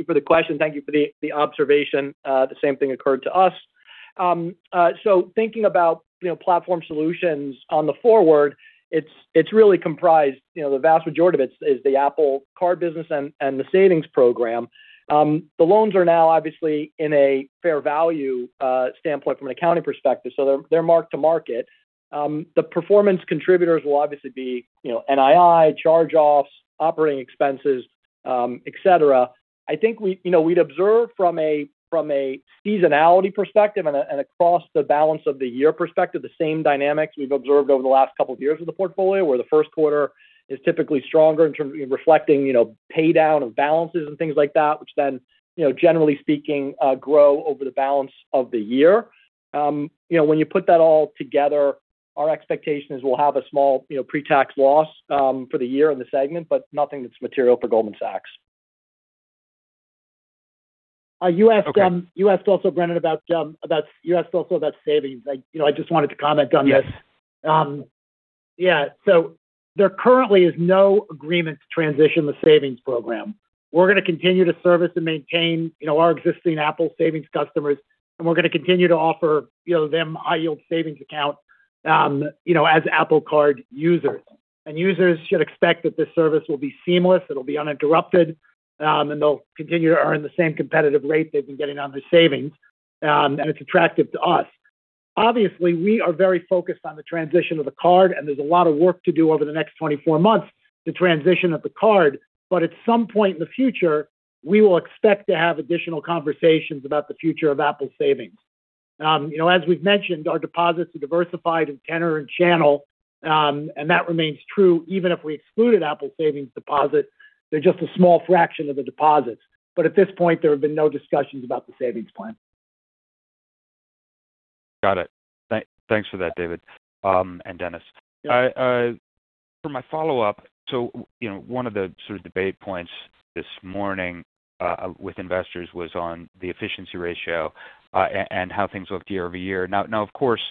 for the question. Thank you for the observation. The same thing occurred to us. So thinking about Platform Solutions going forward, it's really comprised; the vast majority of it is the Apple Card business and the savings program. The loans are now, obviously, in a fair value standpoint from an accounting perspective, so they're marked to market. The performance contributors will obviously be NII, charge-offs, operating expenses, etc. I think we'd observe from a seasonality perspective and across the balance of the year perspective, the same dynamics we've observed over the last couple of years of the portfolio, where the first quarter is typically stronger in terms of reflecting paydown of balances and things like that, which then, generally speaking, grow over the balance of the year. When you put that all together, our expectation is we'll have a small pre-tax loss for the year in the segment, but nothing that's material for Goldman Sachs. You asked also, Brennan, about you asked also about savings. I just wanted to comment on this. Yeah. So there currently is no agreement to transition the savings program. We're going to continue to service and maintain our existing Apple Savings customers, and we're going to continue to offer them high-yield savings accounts as Apple Card users. Users should expect that this service will be seamless. It'll be uninterrupted, and they'll continue to earn the same competitive rate they've been getting on their savings, and it's attractive to us. Obviously, we are very focused on the transition of the card, and there's a lot of work to do over the next 24 months to transition of the card. But at some point in the future, we will expect to have additional conversations about the future of Apple Savings. As we've mentioned, our deposits are diversified in tenor and channel, and that remains true even if we excluded Apple Savings deposits. They're just a small fraction of the deposits. But at this point, there have been no discussions about the savings plan. Got it. Thanks for that, David and Denis. For my follow-up, so one of the sort of debate points this morning with investors was on the efficiency ratio and how things look year-over-year. Now, of course,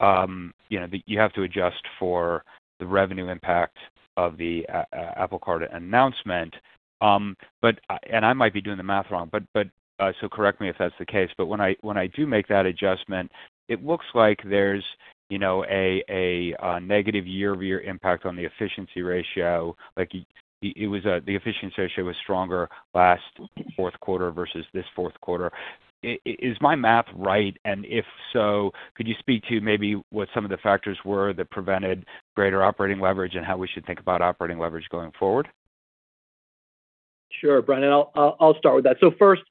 you have to adjust for the revenue impact of the Apple Card announcement. And I might be doing the math wrong, so correct me if that's the case. But when I do make that adjustment, it looks like there's a negative year-over-year impact on the efficiency ratio. The efficiency ratio was stronger last fourth quarter versus this fourth quarter. Is my math right? And if so, could you speak to maybe what some of the factors were that prevented greater operating leverage and how we should think about operating leverage going forward? Sure, Brennan. I'll start with that. So first,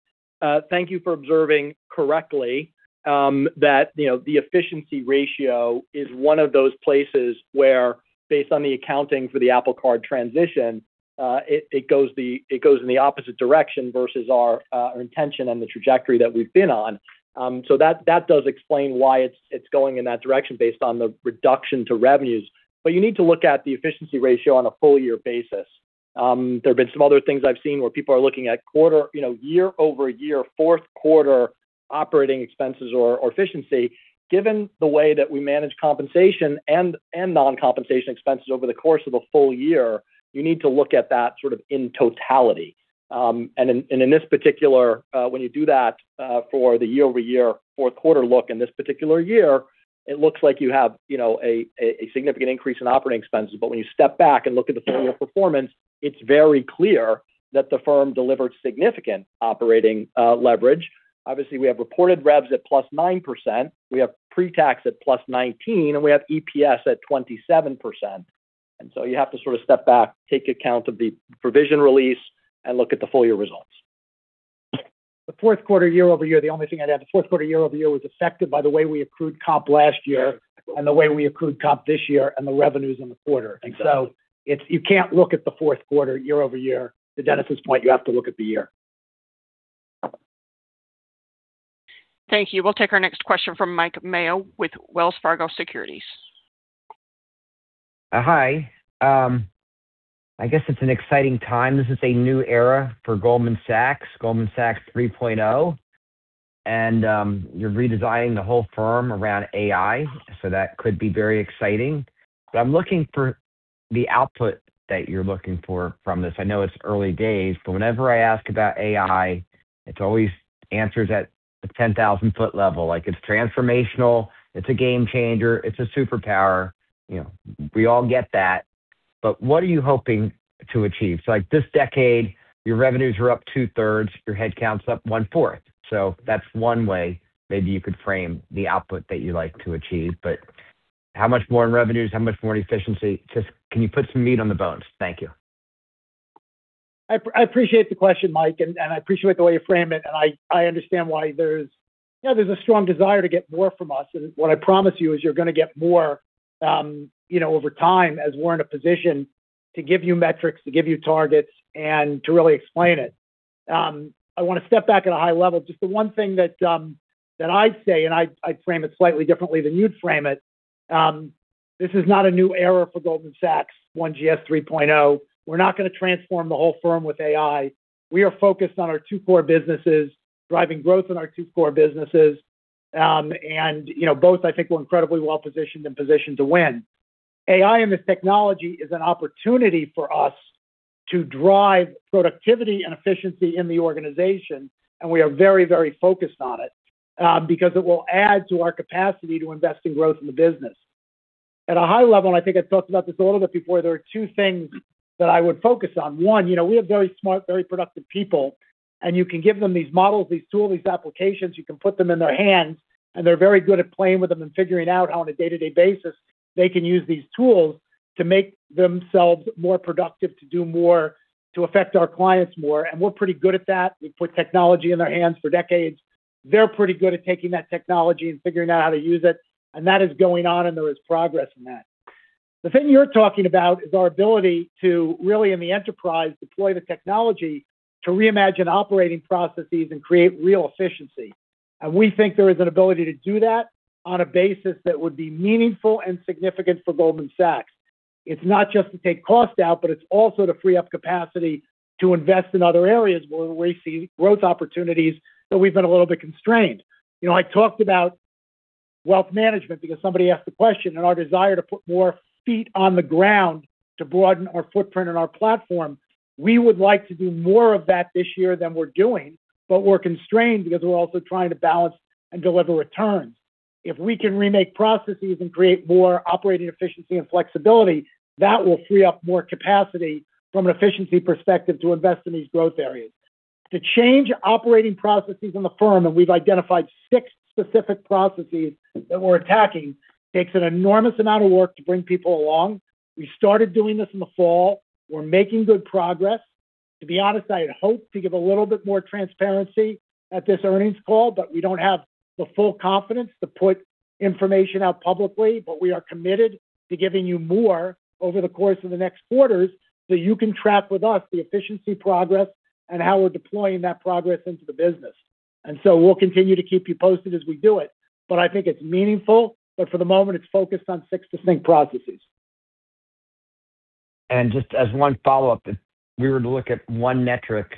thank you for observing correctly that the efficiency ratio is one of those places where, based on the accounting for the Apple Card transition, it goes in the opposite direction versus our intention and the trajectory that we've been on. So that does explain why it's going in that direction based on the reduction to revenues. But you need to look at the efficiency ratio on a full-year basis. There have been some other things I've seen where people are looking at year-over-year, fourth quarter operating expenses or efficiency. Given the way that we manage compensation and non-compensation expenses over the course of a full year, you need to look at that sort of in totality. And in this particular, when you do that for the year-over-year fourth quarter look in this particular year, it looks like you have a significant increase in operating expenses. But when you step back and look at the full-year performance, it's very clear that the firm delivered significant operating leverage. Obviously, we have reported revs at plus 9%. We have pre-tax at plus 19%, and we have EPS at 27%. And so you have to sort of step back, take account of the provision release, and look at the full-year results. The fourth quarter year-over-year, the only thing I'd add, the fourth quarter year-over-year was affected by the way we accrued comp last year and the way we accrued comp this year and the revenues in the quarter. So you can't look at the fourth quarter year-over-year to Denis's point. You have to look at the year. Thank you. We'll take our next question from Mike Mayo with Wells Fargo Securities. Hi. I guess it's an exciting time. This is a new era for Goldman Sachs, Goldman Sachs 3.0, and you're redesigning the whole firm around AI, so that could be very exciting, but I'm looking for the output that you're looking for from this. I know it's early days, but whenever I ask about AI, it's always answers at the 10,000-foot level. It's transformational. It's a game changer. It's a superpower. We all get that, but what are you hoping to achieve? So this decade, your revenues are up two-thirds. Your headcount's up one-fourth, so that's one way maybe you could frame the output that you'd like to achieve, but how much more in revenues? How much more in efficiency? Just can you put some meat on the bones? Thank you. I appreciate the question, Mike, and I appreciate the way you frame it, and I understand why there's a strong desire to get more from us. What I promise you is you're going to get more over time as we're in a position to give you metrics, to give you targets, and to really explain it. I want to step back at a high level. Just the one thing that I'd say, and I'd frame it slightly differently than you'd frame it. This is not a new era for Goldman Sachs, OneGS 3.0. We're not going to transform the whole firm with AI. We are focused on our two core businesses, driving growth in our two core businesses. And both, I think, we're incredibly well-positioned and positioned to win. AI in this technology is an opportunity for us to drive productivity and efficiency in the organization, and we are very, very focused on it because it will add to our capacity to invest in growth in the business. At a high level, and I think I talked about this a little bit before, there are two things that I would focus on. One, we have very smart, very productive people, and you can give them these models, these tools, these applications. You can put them in their hands, and they're very good at playing with them and figuring out how on a day-to-day basis they can use these tools to make themselves more productive, to do more, to affect our clients more. And we're pretty good at that. We've put technology in their hands for decades. They're pretty good at taking that technology and figuring out how to use it. And that is going on, and there is progress in that. The thing you're talking about is our ability to really, in the enterprise, deploy the technology to reimagine operating processes and create real efficiency. We think there is an ability to do that on a basis that would be meaningful and significant for Goldman Sachs. It's not just to take cost out, but it's also to free up capacity to invest in other areas where we see growth opportunities that we've been a little bit constrained. I talked about Wealth Management because somebody asked the question and our desire to put more feet on the ground to broaden our footprint and our platform. We would like to do more of that this year than we're doing, but we're constrained because we're also trying to balance and deliver returns. If we can remake processes and create more operating efficiency and flexibility, that will free up more capacity from an efficiency perspective to invest in these growth areas. To change operating processes in the firm, and we've identified six specific processes that we're attacking, takes an enormous amount of work to bring people along. We started doing this in the fall. We're making good progress. To be honest, I had hoped to give a little bit more transparency at this earnings call, but we don't have the full confidence to put information out publicly. But we are committed to giving you more over the course of the next quarters so you can track with us the efficiency progress and how we're deploying that progress into the business. And so we'll continue to keep you posted as we do it. But I think it's meaningful, but for the moment, it's focused on six distinct processes. Just as one follow-up, if we were to look at one metric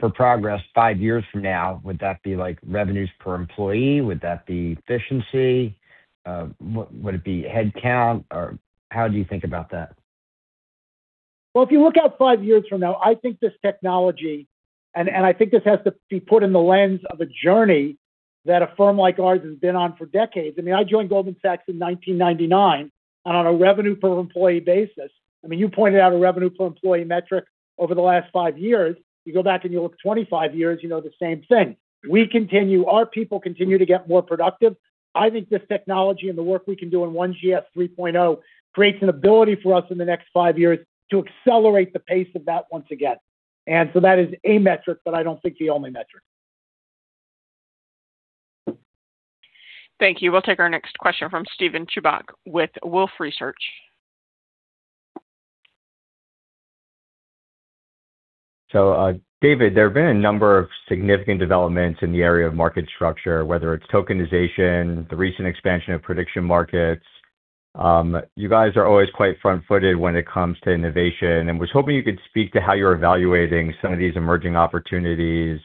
for progress five years from now, would that be revenues per employee? Would that be efficiency? Would it be headcount? How do you think about that? If you look out five years from now, I think this technology, and I think this has to be put in the lens of a journey that a firm like ours has been on for decades. I mean, I joined Goldman Sachs in 1999 on a revenue per employee basis. I mean, you pointed out a revenue per employee metric over the last five years. You go back and you look 25 years, you know the same thing. Our people continue to get more productive. I think this technology and the work we can do in OneGS 3.0 creates an ability for us in the next five years to accelerate the pace of that once again. And so that is a metric, but I don't think the only metric. Thank you. We'll take our next question from Steven Chubak with Wolfe Research. So David, there have been a number of significant developments in the area of market structure, whether it's tokenization, the recent expansion of prediction markets. You guys are always quite front-footed when it comes to innovation. And I was hoping you could speak to how you're evaluating some of these emerging opportunities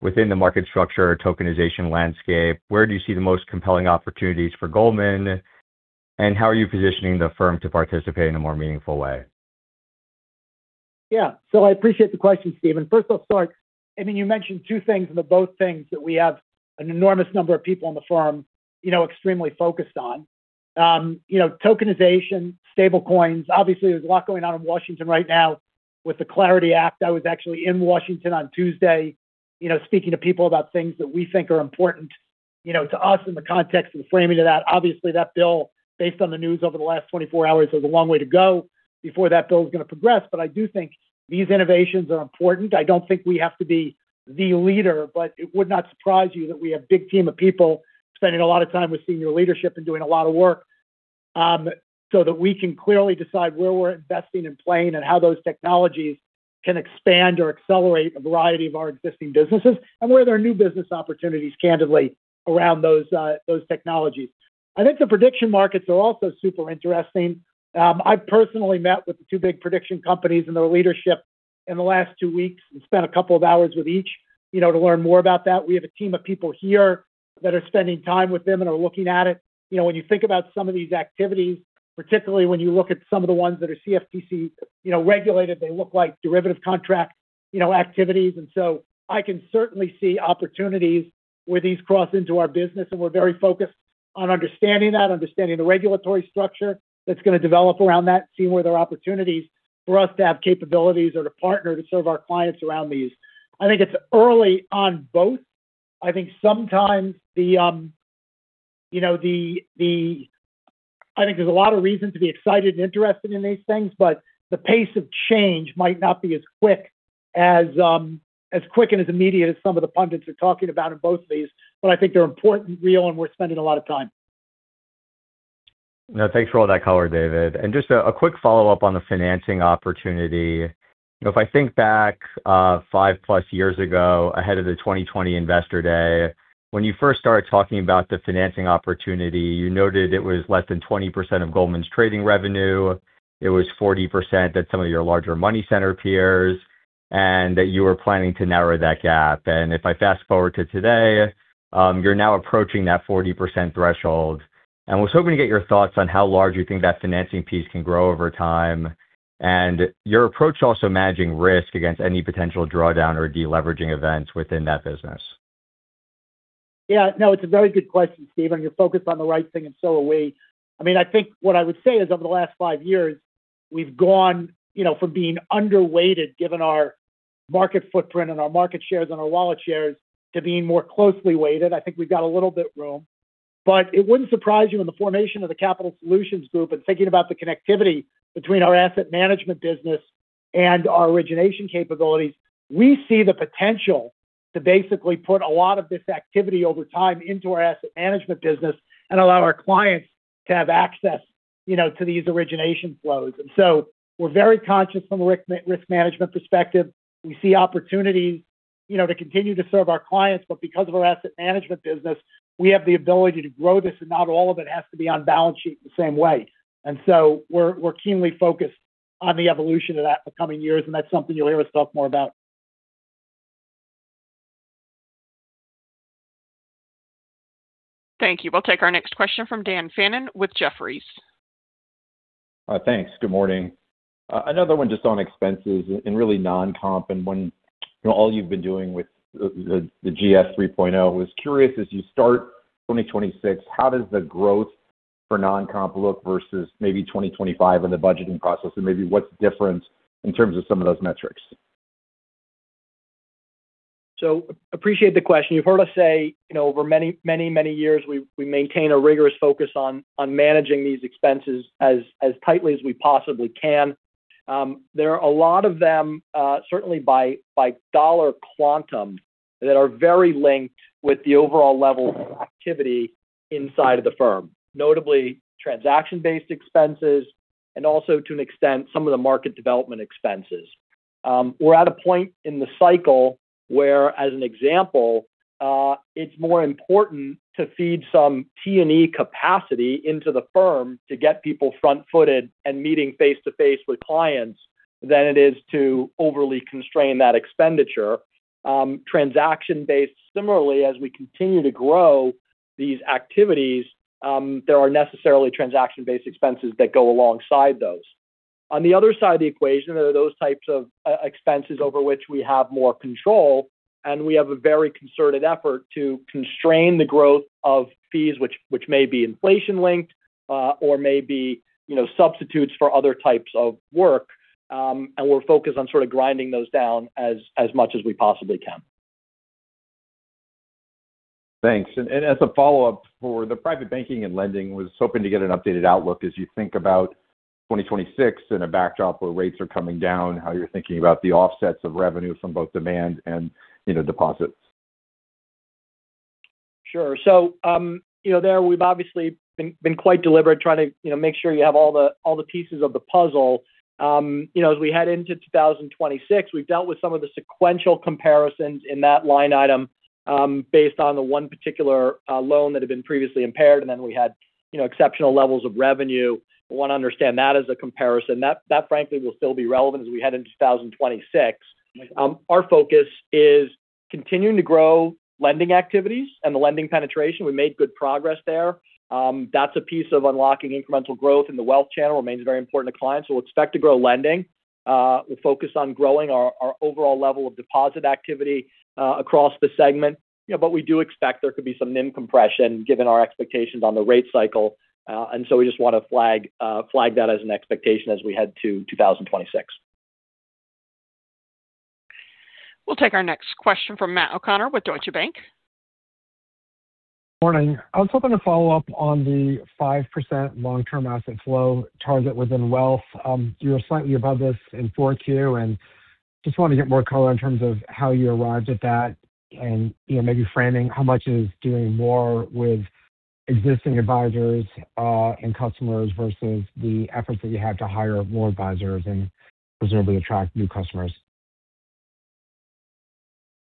within the market structure tokenization landscape. Where do you see the most compelling opportunities for Goldman? And how are you positioning the firm to participate in a more meaningful way? Yeah. So I appreciate the question, Steven. First, I'll start. I mean, you mentioned two things, and they're both things that we have an enormous number of people on the firm extremely focused on: tokenization, stablecoins. Obviously, there's a lot going on in Washington right now with the Clarity Act. I was actually in Washington on Tuesday speaking to people about things that we think are important to us in the context of the framing of that. Obviously, that bill, based on the news over the last 24 hours, has a long way to go before that bill is going to progress. But I do think these innovations are important. I don't think we have to be the leader, but it would not surprise you that we have a big team of people spending a lot of time with senior leadership and doing a lot of work so that we can clearly decide where we're investing and playing and how those technologies can expand or accelerate a variety of our existing businesses and where there are new business opportunities, candidly, around those technologies. I think the prediction markets are also super interesting. I've personally met with the two big prediction companies and their leadership in the last two weeks and spent a couple of hours with each to learn more about that. We have a team of people here that are spending time with them and are looking at it. When you think about some of these activities, particularly when you look at some of the ones that are CFTC regulated, they look like derivative contract activities, and so I can certainly see opportunities where these cross into our business, and we're very focused on understanding that, understanding the regulatory structure that's going to develop around that, seeing where there are opportunities for us to have capabilities or to partner to serve our clients around these. I think it's early on both. I think sometimes, I think there's a lot of reason to be excited and interested in these things, but the pace of change might not be as quick and as immediate as some of the pundits are talking about in both of these, but I think they're important, real, and we're spending a lot of time. Thanks for all that color, David. Just a quick follow-up on the financing opportunity. If I think back five-plus years ago, ahead of the 2020 Investor Day, when you first started talking about the financing opportunity, you noted it was less than 20% of Goldman's trading revenue. It was 40% that some of your larger money center peers, and that you were planning to narrow that gap. If I fast-forward to today, you're now approaching that 40% threshold. I was hoping to get your thoughts on how large you think that financing piece can grow over time. And your approach also managing risk against any potential drawdown or deleveraging events within that business. Yeah. No, it's a very good question, Steven. You're focused on the right thing in so many ways. I mean, I think what I would say is over the last five years, we've gone from being underweighted, given our market footprint and our market shares and our wallet shares, to being more closely weighted. I think we've got a little bit of room. But it wouldn't surprise you in the formation of the Capital Solutions Group and thinking about the connectivity between our Asset Management business and our origination capabilities, we see the potential to basically put a lot of this activity over time into our Asset Management business and allow our clients to have access to these origination flows. So we're very conscious from a risk management perspective. We see opportunities to continue to serve our clients. But because of our Asset Management business, we have the ability to grow this, and not all of it has to be on balance sheet the same way. And so we're keenly focused on the evolution of that for coming years, and that's something you'll hear us talk more about. Thank you. We'll take our next question from Dan Fannon with Jefferies. Thanks. Good morning. Another one just on expenses and really non-com and when all you've been doing with the OneGS 3.0. I was curious, as you start 2026, how does the growth for non-com look versus maybe 2025 in the budgeting process? And maybe what's different in terms of some of those metrics? So appreciate the question. You've heard us say over many, many years, we maintain a rigorous focus on managing these expenses as tightly as we possibly can. There are a lot of them, certainly by dollar quantum, that are very linked with the overall level of activity inside of the firm, notably transaction-based expenses and also, to an extent, some of the market development expenses. We're at a point in the cycle where, as an example, it's more important to feed some T&E capacity into the firm to get people front-footed and meeting face-to-face with clients than it is to overly constrain that expenditure. Transaction-based, similarly, as we continue to grow these activities, there are necessarily transaction-based expenses that go alongside those. On the other side of the equation, there are those types of expenses over which we have more control, and we have a very concerted effort to constrain the growth of fees, which may be inflation-linked or may be substitutes for other types of work. And we're focused on sort of grinding those down as much as we possibly can. Thanks. And as a follow-up for the Private Banking and Lending, I was hoping to get an updated outlook as you think about 2026 and a backdrop where rates are coming down, how you're thinking about the offsets of revenue from both demand and deposits? Sure. So there, we've obviously been quite deliberate trying to make sure you have all the pieces of the puzzle. As we head into 2026, we've dealt with some of the sequential comparisons in that line item based on the one particular loan that had been previously impaired, and then we had exceptional levels of revenue. We want to understand that as a comparison. That, frankly, will still be relevant as we head into 2026. Our focus is continuing to grow lending activities and the lending penetration. We made good progress there. That's a piece of unlocking incremental growth in the wealth channel remains very important to clients. We'll expect to grow lending. We'll focus on growing our overall level of deposit activity across the segment. But we do expect there could be some NIM compression given our expectations on the rate cycle. And so we just want to flag that as an expectation as we head to 2026. We'll take our next question from Matt O'Connor with Deutsche Bank. Morning. I was hoping to follow up on the 5% long-term asset flow target within wealth. You're slightly above this in 4Q, and just wanted to get more color in terms of how you arrived at that and maybe framing how much it is doing more with existing advisors and customers versus the efforts that you have to hire more advisors and presumably attract new customers.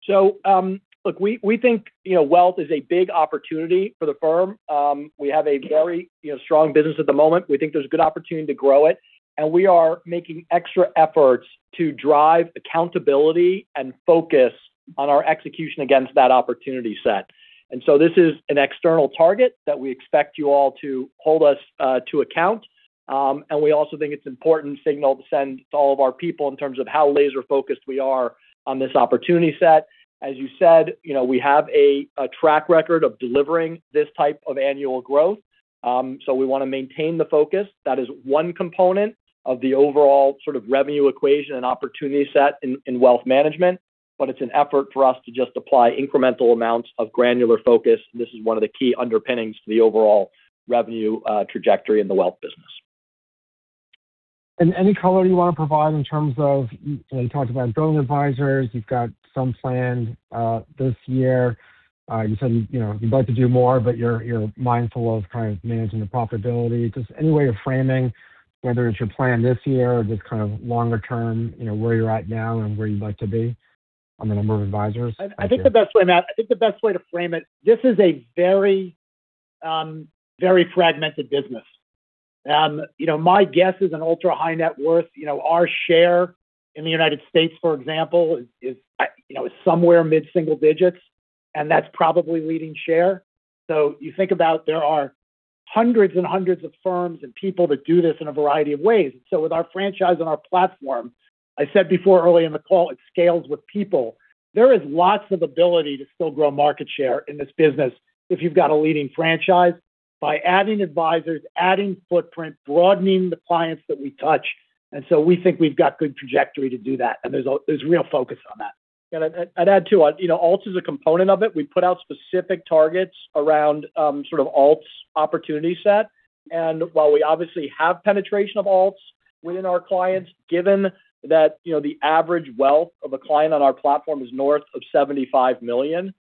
So look, we think wealth is a big opportunity for the firm. We have a very strong business at the moment. We think there's a good opportunity to grow it. And we are making extra efforts to drive accountability and focus on our execution against that opportunity set. And so this is an external target that we expect you all to hold us to account. And we also think it's important signal to send to all of our people in terms of how laser-focused we are on this opportunity set. As you said, we have a track record of delivering this type of annual growth. So we want to maintain the focus. That is one component of the overall sort of revenue equation and opportunity set in Wealth Management. But it's an effort for us to just apply incremental amounts of granular focus. This is one of the key underpinnings to the overall revenue trajectory in the wealth business. And any color you want to provide in terms of you talked about growing advisors. You've got some planned this year. You said you'd like to do more, but you're mindful of kind of managing the profitability. Just any way of framing, whether it's your plan this year or just kind of longer term, where you're at now and where you'd like to be on the number of advisors? I think the best way Matt, I think the best way to frame it, this is a very, very fragmented business. My guess is in an ultra-high net worth. Our share in the United States, for example, is somewhere mid-single digits, and that's probably leading share. So, you think about there are hundreds and hundreds of firms and people that do this in a variety of ways. And so with our franchise and our platform, I said before early in the call, it scales with people. There is lots of ability to still grow market share in this business if you've got a leading franchise by adding advisors, adding footprint, broadening the clients that we touch. And so we think we've got good trajectory to do that. And there's real focus on that. And I'd add too, alts is a component of it. We put out specific targets around sort of alts opportunity set. And while we obviously have penetration of alts within our clients, given that the average wealth of a client on our platform is north of $75 million,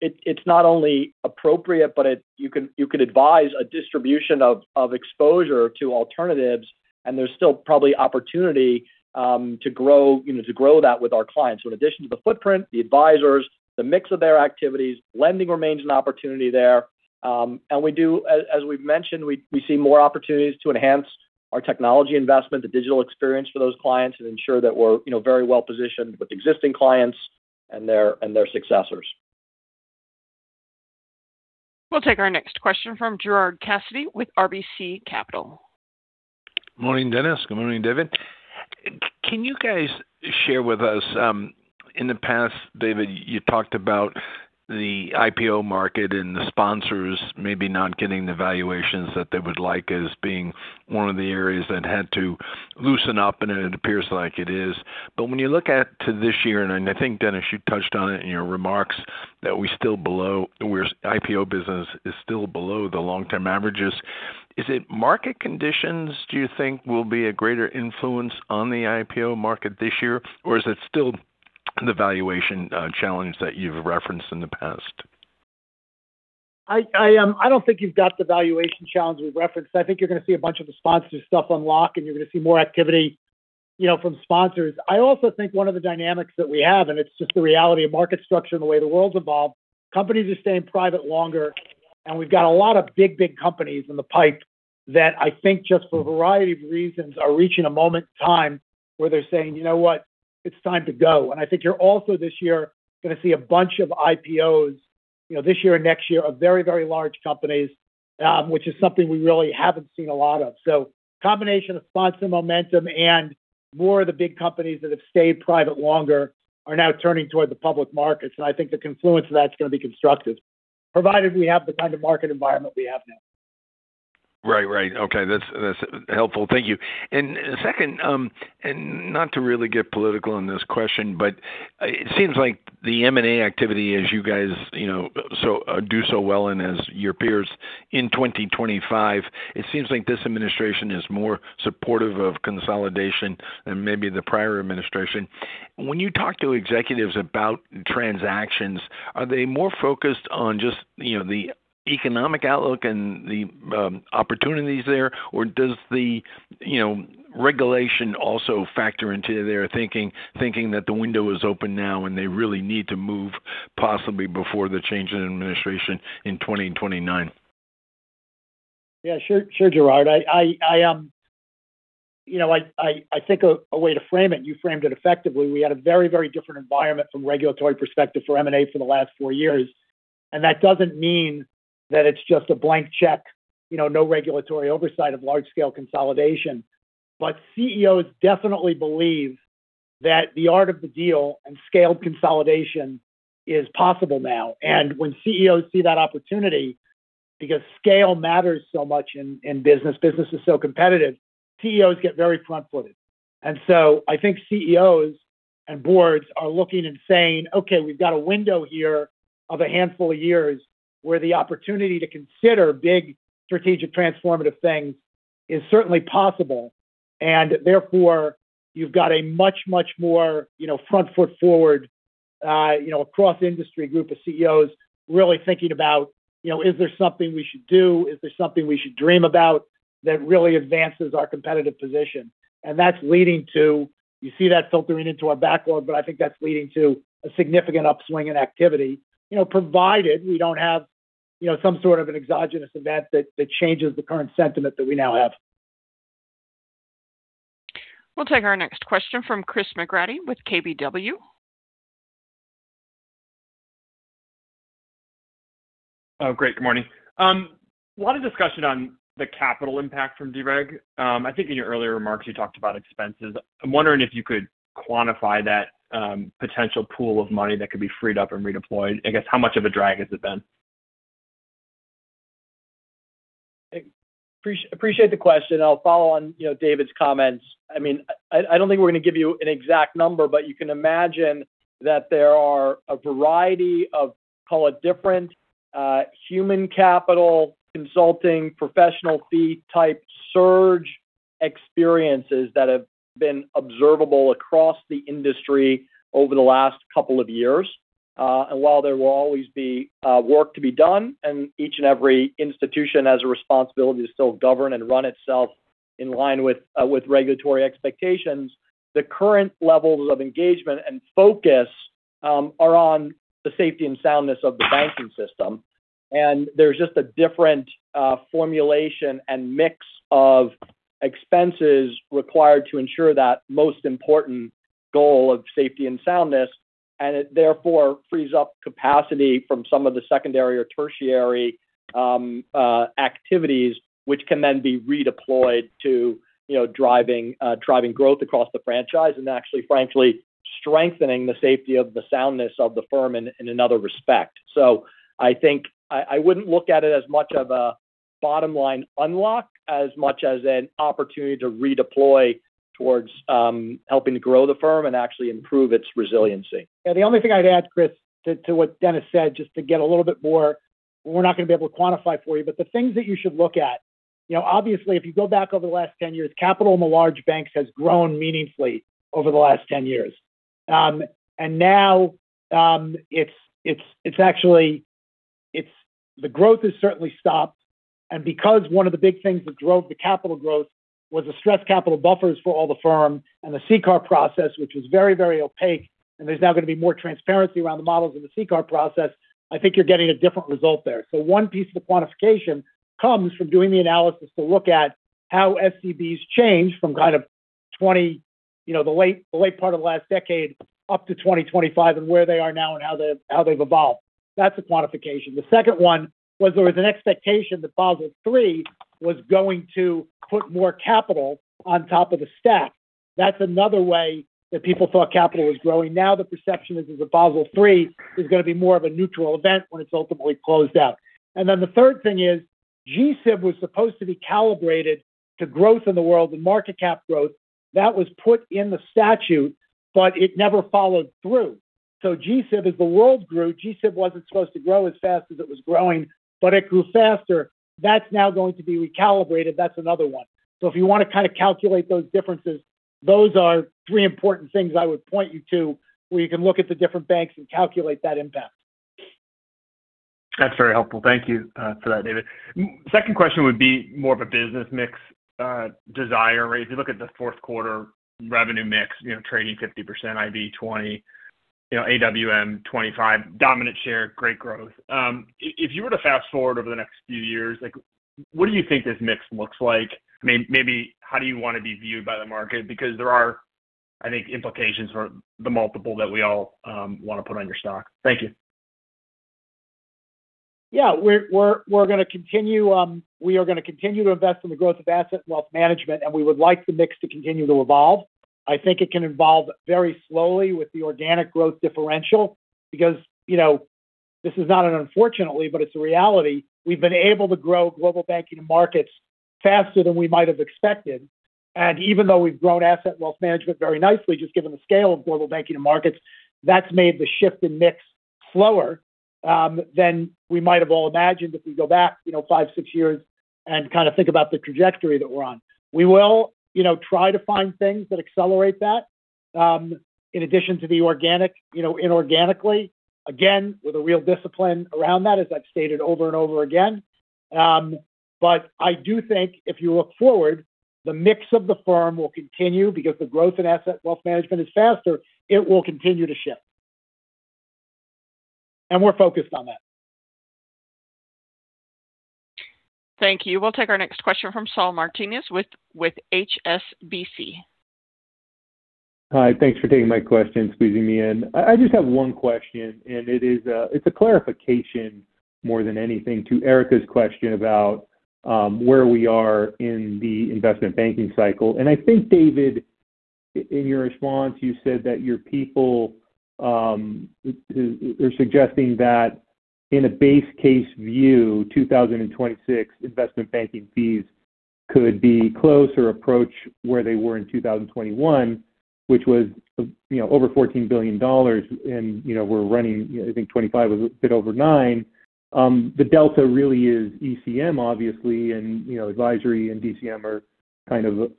it's not only appropriate, but you could advise a distribution of exposure to alternatives. And there's still probably opportunity to grow that with our clients. So in addition to the footprint, the advisors, the mix of their activities, lending remains an opportunity there. And as we've mentioned, we see more opportunities to enhance our technology investment, the digital experience for those clients, and ensure that we're very well positioned with existing clients and their successors. We'll take our next question from Gerard Cassidy with RBC Capital. Morning, Denis. Good morning, David. Can you guys share with us in the past, David, you talked about the IPO market and the sponsors maybe not getting the valuations that they would like as being one of the areas that had to loosen up, and it appears like it is? But when you look at this year, and I think, Denis, you touched on it in your remarks that we're still below, where the IPO business is still below the long-term averages. Is it market conditions, do you think, will be a greater influence on the IPO market this year, or is it still the valuation challenge that you've referenced in the past? I don't think you've got the valuation challenge we referenced. I think you're going to see a bunch of the sponsor stuff unlock, and you're going to see more activity from sponsors. I also think one of the dynamics that we have, and it's just the reality of market structure and the way the world's evolved, companies are staying private longer, and we've got a lot of big, big companies in the pipe that I think just for a variety of reasons are reaching a moment in time where they're saying, "You know what? It's time to go." And I think you're also this year going to see a bunch of IPOs this year and next year of very, very large companies, which is something we really haven't seen a lot of. So a combination of sponsor momentum and more of the big companies that have stayed private longer are now turning toward the public markets. And I think the confluence of that's going to be constructive, provided we have the kind of market environment we have now. Right, right. Okay. That's helpful. Thank you. And second, and not to really get political on this question, but it seems like the M&A activity, as you guys do so well and as your peers in 2025, it seems like this administration is more supportive of consolidation than maybe the prior administration. When you talk to executives about transactions, are they more focused on just the economic outlook and the opportunities there, or does the regulation also factor into their thinking that the window is open now and they really need to move possibly before the change in administration in 2029? Yeah. Sure, Gerard. I think a way to frame it, and you framed it effectively. We had a very, very different environment from regulatory perspective for M&A for the last four years. And that doesn't mean that it's just a blank check, no regulatory oversight of large-scale consolidation. But CEOs definitely believe that the art of the deal and scaled consolidation is possible now. And when CEOs see that opportunity, because scale matters so much in business, business is so competitive, CEOs get very front-footed. And so I think CEOs and boards are looking and saying, "Okay, we've got a window here of a handful of years where the opportunity to consider big strategic transformative things is certainly possible." And therefore, you've got a much, much more front-foot forward across-industry group of CEOs really thinking about, "Is there something we should do? Is there something we should dream about that really advances our competitive position?" And that's leading to, you see that filtering into our backlog, but I think that's leading to a significant upswing in activity, provided we don't have some sort of an exogenous event that changes the current sentiment that we now have. We'll take our next question from Chris McGratty with KBW. Oh, great. Good morning. A lot of discussion on the capital impact from dereg. I think in your earlier remarks, you talked about expenses. I'm wondering if you could quantify that potential pool of money that could be freed up and redeployed. I guess how much of a drag has it been? Appreciate the question. I'll follow on David's comments. I mean, I don't think we're going to give you an exact number, but you can imagine that there are a variety of, call it, different human capital, consulting, professional fee-type surge experiences that have been observable across the industry over the last couple of years. While there will always be work to be done, and each and every institution has a responsibility to still govern and run itself in line with regulatory expectations, the current levels of engagement and focus are on the safety and soundness of the banking system. There's just a different formulation and mix of expenses required to ensure that most important goal of safety and soundness, and it therefore frees up capacity from some of the secondary or tertiary activities, which can then be redeployed to driving growth across the franchise and actually, frankly, strengthening the safety and soundness of the firm in another respect. I think I wouldn't look at it as much of a bottom-line unlock as much as an opportunity to redeploy towards helping to grow the firm and actually improve its resiliency. Yeah. The only thing I'd add, Chris, to what Denis said, just to get a little bit more, we're not going to be able to quantify for you, but the things that you should look at, obviously, if you go back over the last 10 years, capital in the large banks has grown meaningfully over the last 10 years, and now it's actually the growth has certainly stopped, and because one of the big things that drove the capital growth was the stress capital buffers for all the firm and the CCAR process, which was very, very opaque, and there's now going to be more transparency around the models in the CCAR process, I think you're getting a different result there. So one piece of the quantification comes from doing the analysis to look at how SCBs changed from kind of the late part of the last decade up to 2025 and where they are now and how they've evolved. That's a quantification. The second one was there was an expectation that Basel III was going to put more capital on top of the stack. That's another way that people thought capital was growing. Now the perception is that Basel III is going to be more of a neutral event when it's ultimately closed out. And then the third thing is GSIB was supposed to be calibrated to growth in the world and market cap growth. That was put in the statute, but it never followed through. So GSIB, as the world grew, GSIB wasn't supposed to grow as fast as it was growing, but it grew faster. That's now going to be recalibrated. That's another one. So if you want to kind of calculate those differences, those are three important things I would point you to where you can look at the different banks and calculate that impact. That's very helpful. Thank you for that, David. Second question would be more of a business mix desire. If you look at the fourth quarter revenue mix, trading 50%, IB 20%, AWM 25%, dominant share, great growth. If you were to fast forward over the next few years, what do you think this mix looks like? Maybe how do you want to be viewed by the market? Because there are, I think, implications for the multiple that we all want to put on your stock. Thank you. Yeah. We're going to continue. We are going to continue to invest in the growth of Asset & Wealth Management, and we would like the mix to continue to evolve. I think it can evolve very slowly with the organic growth differential because this is, not unfortunately, but it's a reality. We've been able to grow Global Banking & Markets faster than we might have expected, and even though we've grown Asset & Wealth Management very nicely, just given the scale of Global Banking & Markets, that's made the shift in mix slower than we might have all imagined if we go back five, six years and kind of think about the trajectory that we're on. We will try to find things that accelerate that in addition to the organic inorganically, again, with a real discipline around that, as I've stated over and over again. But I do think if you look forward, the mix of the firm will continue because the growth of Asset & Wealth Management is faster. It will continue to shift. And we're focused on that. Thank you. We'll take our next question from Saul Martinez with HSBC. Hi. Thanks for taking my question, squeezing me in. I just have one question, and it is a clarification more than anything to Erika's question about where we are in the investment banking cycle. And I think, David, in your response, you said that your people are suggesting that in a base case view, 2026 investment banking fees could be close or approach where they were in 2021, which was over $14 billion, and we're running, I think, 2025 a bit over $9 billion. The delta really is ECM, obviously, and advisory and DCM are kind of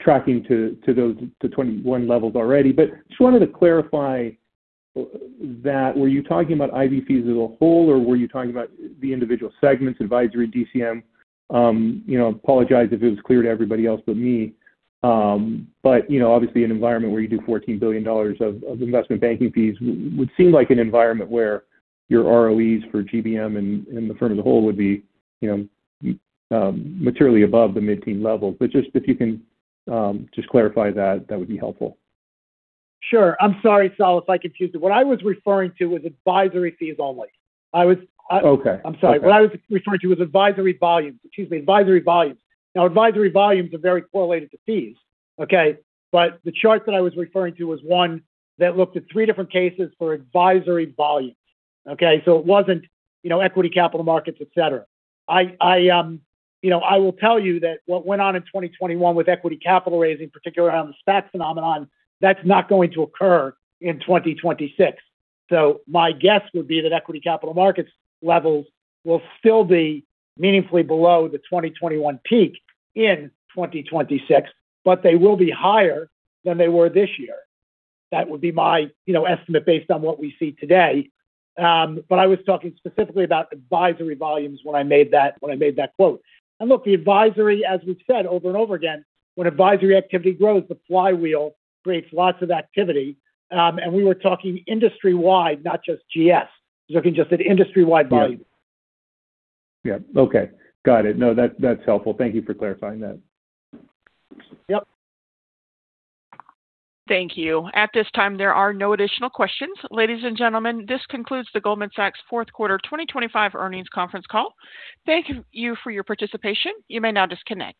tracking to 2021 levels already. But just wanted to clarify that. Were you talking about IB fees as a whole, or were you talking about the individual segments, advisory, DCM? I apologize if it wasn't clear to everybody else but me. But obviously, an environment where you do $14 billion of investment banking fees would seem like an environment where your ROEs for GBM and the firm as a whole would be materially above the mid-teen level. But just if you can just clarify that, that would be helpful. Sure. I'm sorry, Saul, if I confused you. What I was referring to was advisory fees only. I'm sorry. What I was referring to was advisory volumes. Excuse me. Advisory volumes. Now, advisory volumes are very correlated to fees, okay? But the chart that I was referring to was one that looked at three different cases for advisory volumes. Okay? So it wasn't equity capital markets, etc. I will tell you that what went on in 2021 with equity capital raising, particularly around the SPAC phenomenon, that's not going to occur in 2026. So my guess would be that equity capital markets levels will still be meaningfully below the 2021 peak in 2026, but they will be higher than they were this year. That would be my estimate based on what we see today. But I was talking specifically about advisory volumes when I made that quote. And look, the advisory, as we've said over and over again, when advisory activity grows, the flywheel creates lots of activity. And we were talking industry-wide, not just GS. We're talking just at industry-wide volume. Yeah. Okay. Got it. No, that's helpful. Thank you for clarifying that. Yep. Thank you. At this time, there are no additional questions. Ladies and gentlemen, this concludes the Goldman Sachs fourth quarter 2025 earnings conference call. Thank you for your participation. You may now disconnect.